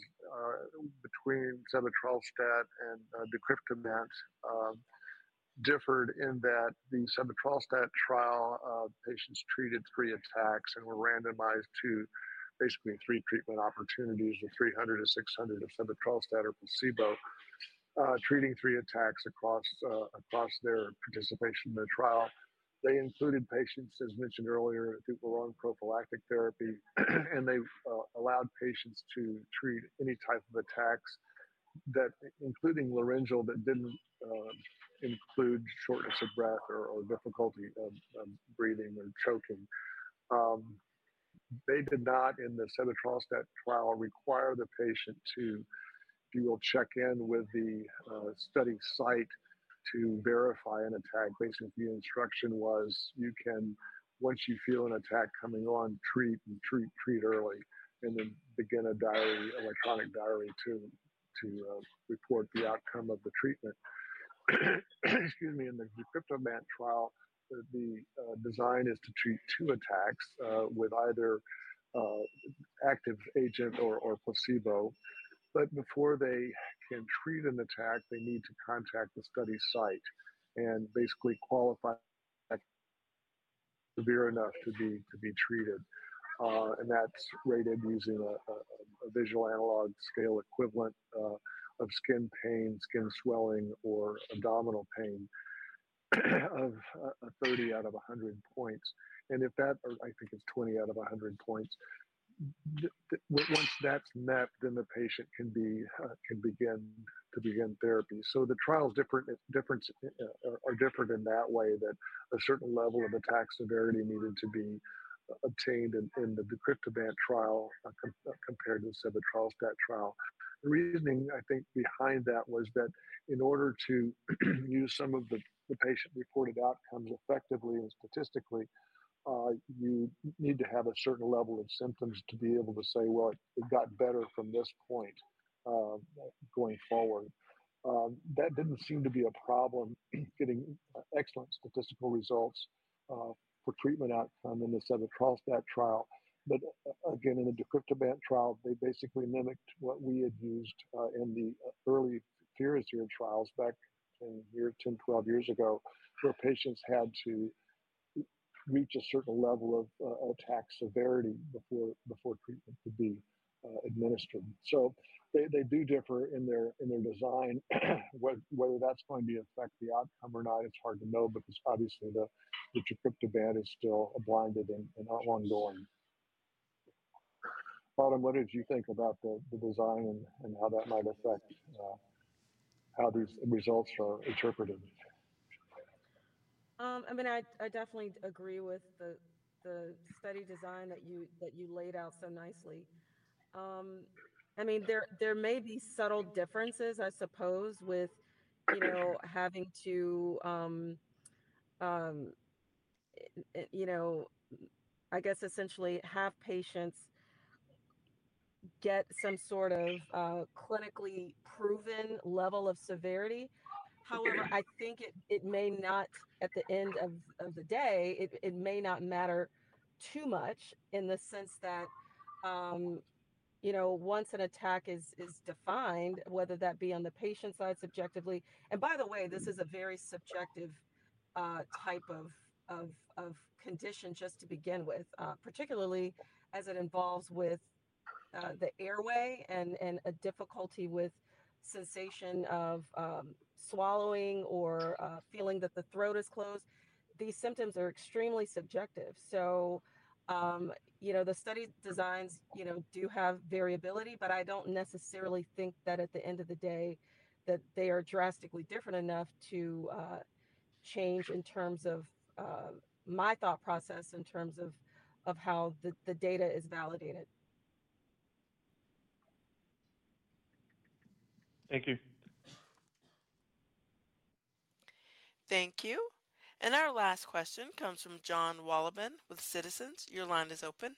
between sebetralstat and Decryptomat differed in that the sebetralstat trial patients treated three attacks and were randomized to basically three treatment opportunities of 300 to 600 of sebetralstat or placebo treating three attacks across their participation in the trial. They included patients, as mentioned earlier, who were on prophylactic therapy, and they allowed patients to treat any type of attacks, including laryngeal, that did not include shortness of breath or difficulty breathing or choking. They did not, in the sebetralstat trial, require the patient to, if you will, check in with the study site to verify an attack. Basically, the instruction was, once you feel an attack coming on, treat and treat, treat early, and then begin a diary, electronic diary, to report the outcome of the treatment. Excuse me. In the Decryptomat trial, the design is to treat two attacks with either active agent or placebo. Before they can treat an attack, they need to contact the study site and basically qualify severe enough to be treated. That is rated using a visual analog scale equivalent of skin pain, skin swelling, or abdominal pain of 30 out of 100 points. If that, or I think it is 20 out of 100 points, once that is met, the patient can begin to begin therapy. The trials are different in that way that a certain level of attack severity needed to be obtained in the Decryptomat trial compared to the sebetralstat trial. The reasoning, I think, behind that was that in order to use some of the patient-reported outcomes effectively and statistically, you need to have a certain level of symptoms to be able to say, "Well, it got better from this point going forward." That did not seem to be a problem, getting excellent statistical results for treatment outcome in the sebetralstat trial. Again, in the Decryptomat trial, they basically mimicked what we had used in the early FIRAZYR trials back 10, 12 years ago, where patients had to reach a certain level of attack severity before treatment could be administered. They do differ in their design. Whether that is going to affect the outcome or not, it is hard to know because obviously the Decryptomat is still blinded and not long gone. Autumn, what did you think about the design and how that might affect how these results are interpreted? I mean, I definitely agree with the study design that you laid out so nicely. I mean, there may be subtle differences, I suppose, with having to, I guess, essentially have patients get some sort of clinically proven level of severity. However, I think it may not, at the end of the day, it may not matter too much in the sense that once an attack is defined, whether that be on the patient's side subjectively. By the way, this is a very subjective type of condition just to begin with, particularly as it involves the airway and a difficulty with sensation of swallowing or feeling that the throat is closed. These symptoms are extremely subjective. The study designs do have variability, but I don't necessarily think that at the end of the day that they are drastically different enough to change in terms of my thought process, in terms of how the data is validated. Thank you. Thank you. Our last question comes from Jon Wolleben with Citizens. Your line is open.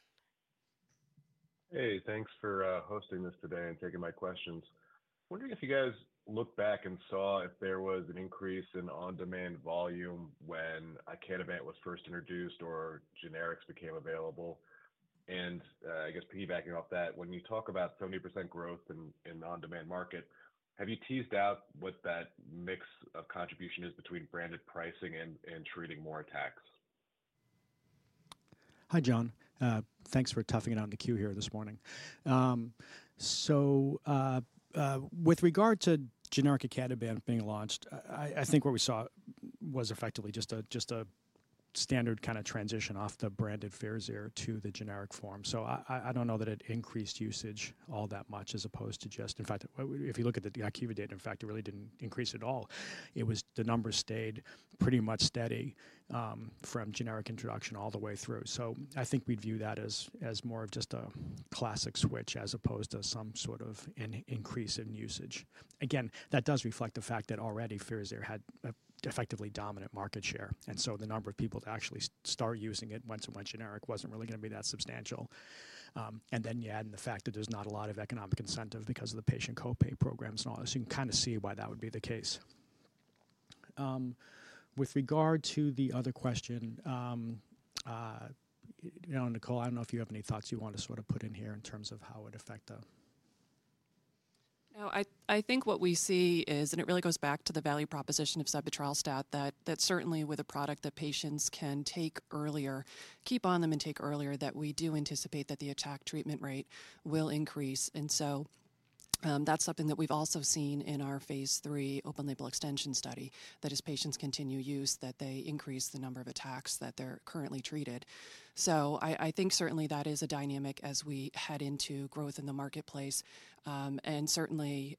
Hey, thanks for hosting this today and taking my questions. Wondering if you guys looked back and saw if there was an increase in on-demand volume when Icatibant was first introduced or generics became available. I guess piggybacking off that, when you talk about 70% growth in the on-demand market, have you teased out what that mix of contribution is between branded pricing and treating more attacks? Hi, Jon. Thanks for toughing it out in the queue here this morning. With regard to generic Icatibant being launched, I think what we saw was effectively just a standard kind of transition off the branded FIRAZYR to the generic form. I do not know that it increased usage all that much as opposed to just, in fact, if you look at the IQVIA data, in fact, it really did not increase at all. The numbers stayed pretty much steady from generic introduction all the way through. I think we would view that as more of just a classic switch as opposed to some sort of increase in usage. Again, that does reflect the fact that already FIRAZYR had effectively dominant market share. The number of people to actually start using it once it went generic was not really going to be that substantial. You add in the fact that there's not a lot of economic incentive because of the patient copay programs and all this. You can kind of see why that would be the case. With regard to the other question, Nicole, I don't know if you have any thoughts you want to sort of put in here in terms of how it affect the. I think what we see is, and it really goes back to the value proposition of sebetralstat, that certainly with a product that patients can take earlier, keep on them and take earlier, that we do anticipate that the attack treatment rate will increase. That is something that we've also seen in our phase III open label extension study, that as patients continue use, they increase the number of attacks that they're currently treated. I think certainly that is a dynamic as we head into growth in the marketplace. Certainly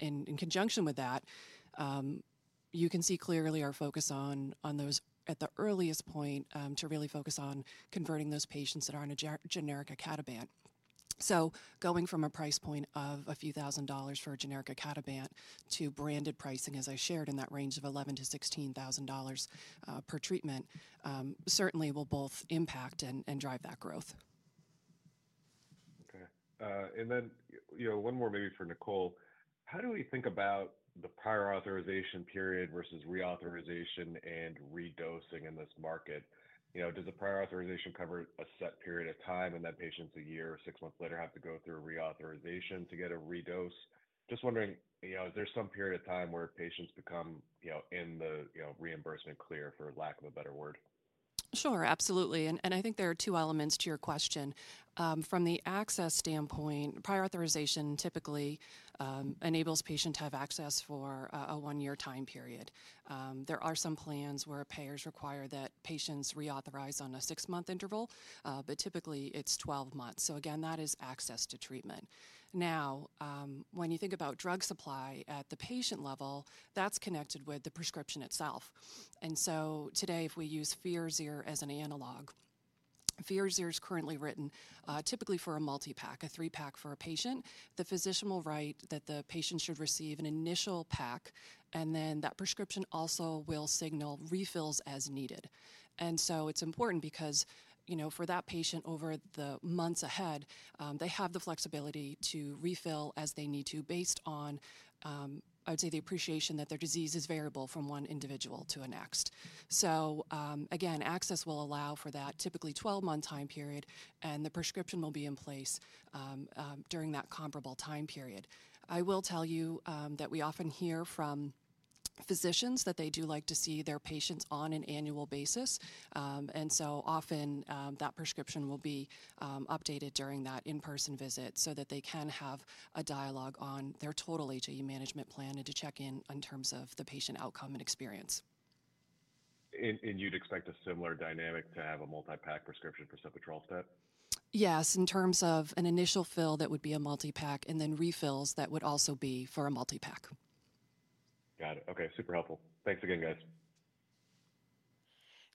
in conjunction with that, you can see clearly our focus on those at the earliest point to really focus on converting those patients that are on a generic icatibant. Going from a price point of a few thousand dollars for a generic Icatibant to branded pricing, as I shared in that range of $11,000-$16,000 per treatment, certainly will both impact and drive that growth. Okay. One more maybe for Nicole. How do we think about the prior authorization period versus reauthorization and redosing in this market? Does the prior authorization cover a set period of time and then patients a year or six months later have to go through a reauthorization to get a redose? Just wondering, is there some period of time where patients become in the reimbursement clear for lack of a better word? Sure, absolutely. I think there are two elements to your question. From the access standpoint, prior authorization typically enables patients to have access for a one-year time period. There are some plans where payers require that patients reauthorize on a six-month interval, but typically it is 12 months. That is access to treatment. Now, when you think about drug supply at the patient level, that is connected with the prescription itself. Today, if we use FIRAZYR as an analog, FIRAZYR is currently written typically for a multi-pack, a three-pack for a patient. The physician will write that the patient should receive an initial pack, and then that prescription also will signal refills as needed. It is important because for that patient over the months ahead, they have the flexibility to refill as they need to based on, I would say, the appreciation that their disease is variable from one individual to the next. Again, access will allow for that typically 12-month time period, and the prescription will be in place during that comparable time period. I will tell you that we often hear from physicians that they do like to see their patients on an annual basis. Often that prescription will be updated during that in-person visit so that they can have a dialogue on their total HAE management plan and to check in in terms of the patient outcome and experience. You'd expect a similar dynamic to have a multi-pack prescription for sebetralstat? Yes, in terms of an initial fill that would be a multi-pack and then refills that would also be for a multi-pack. Got it. Okay. Super helpful. Thanks again, guys.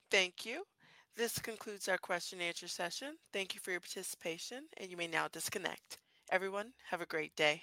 Thank you. This concludes our question-and-answer session. Thank you for your participation, and you may now disconnect. Everyone, have a great day.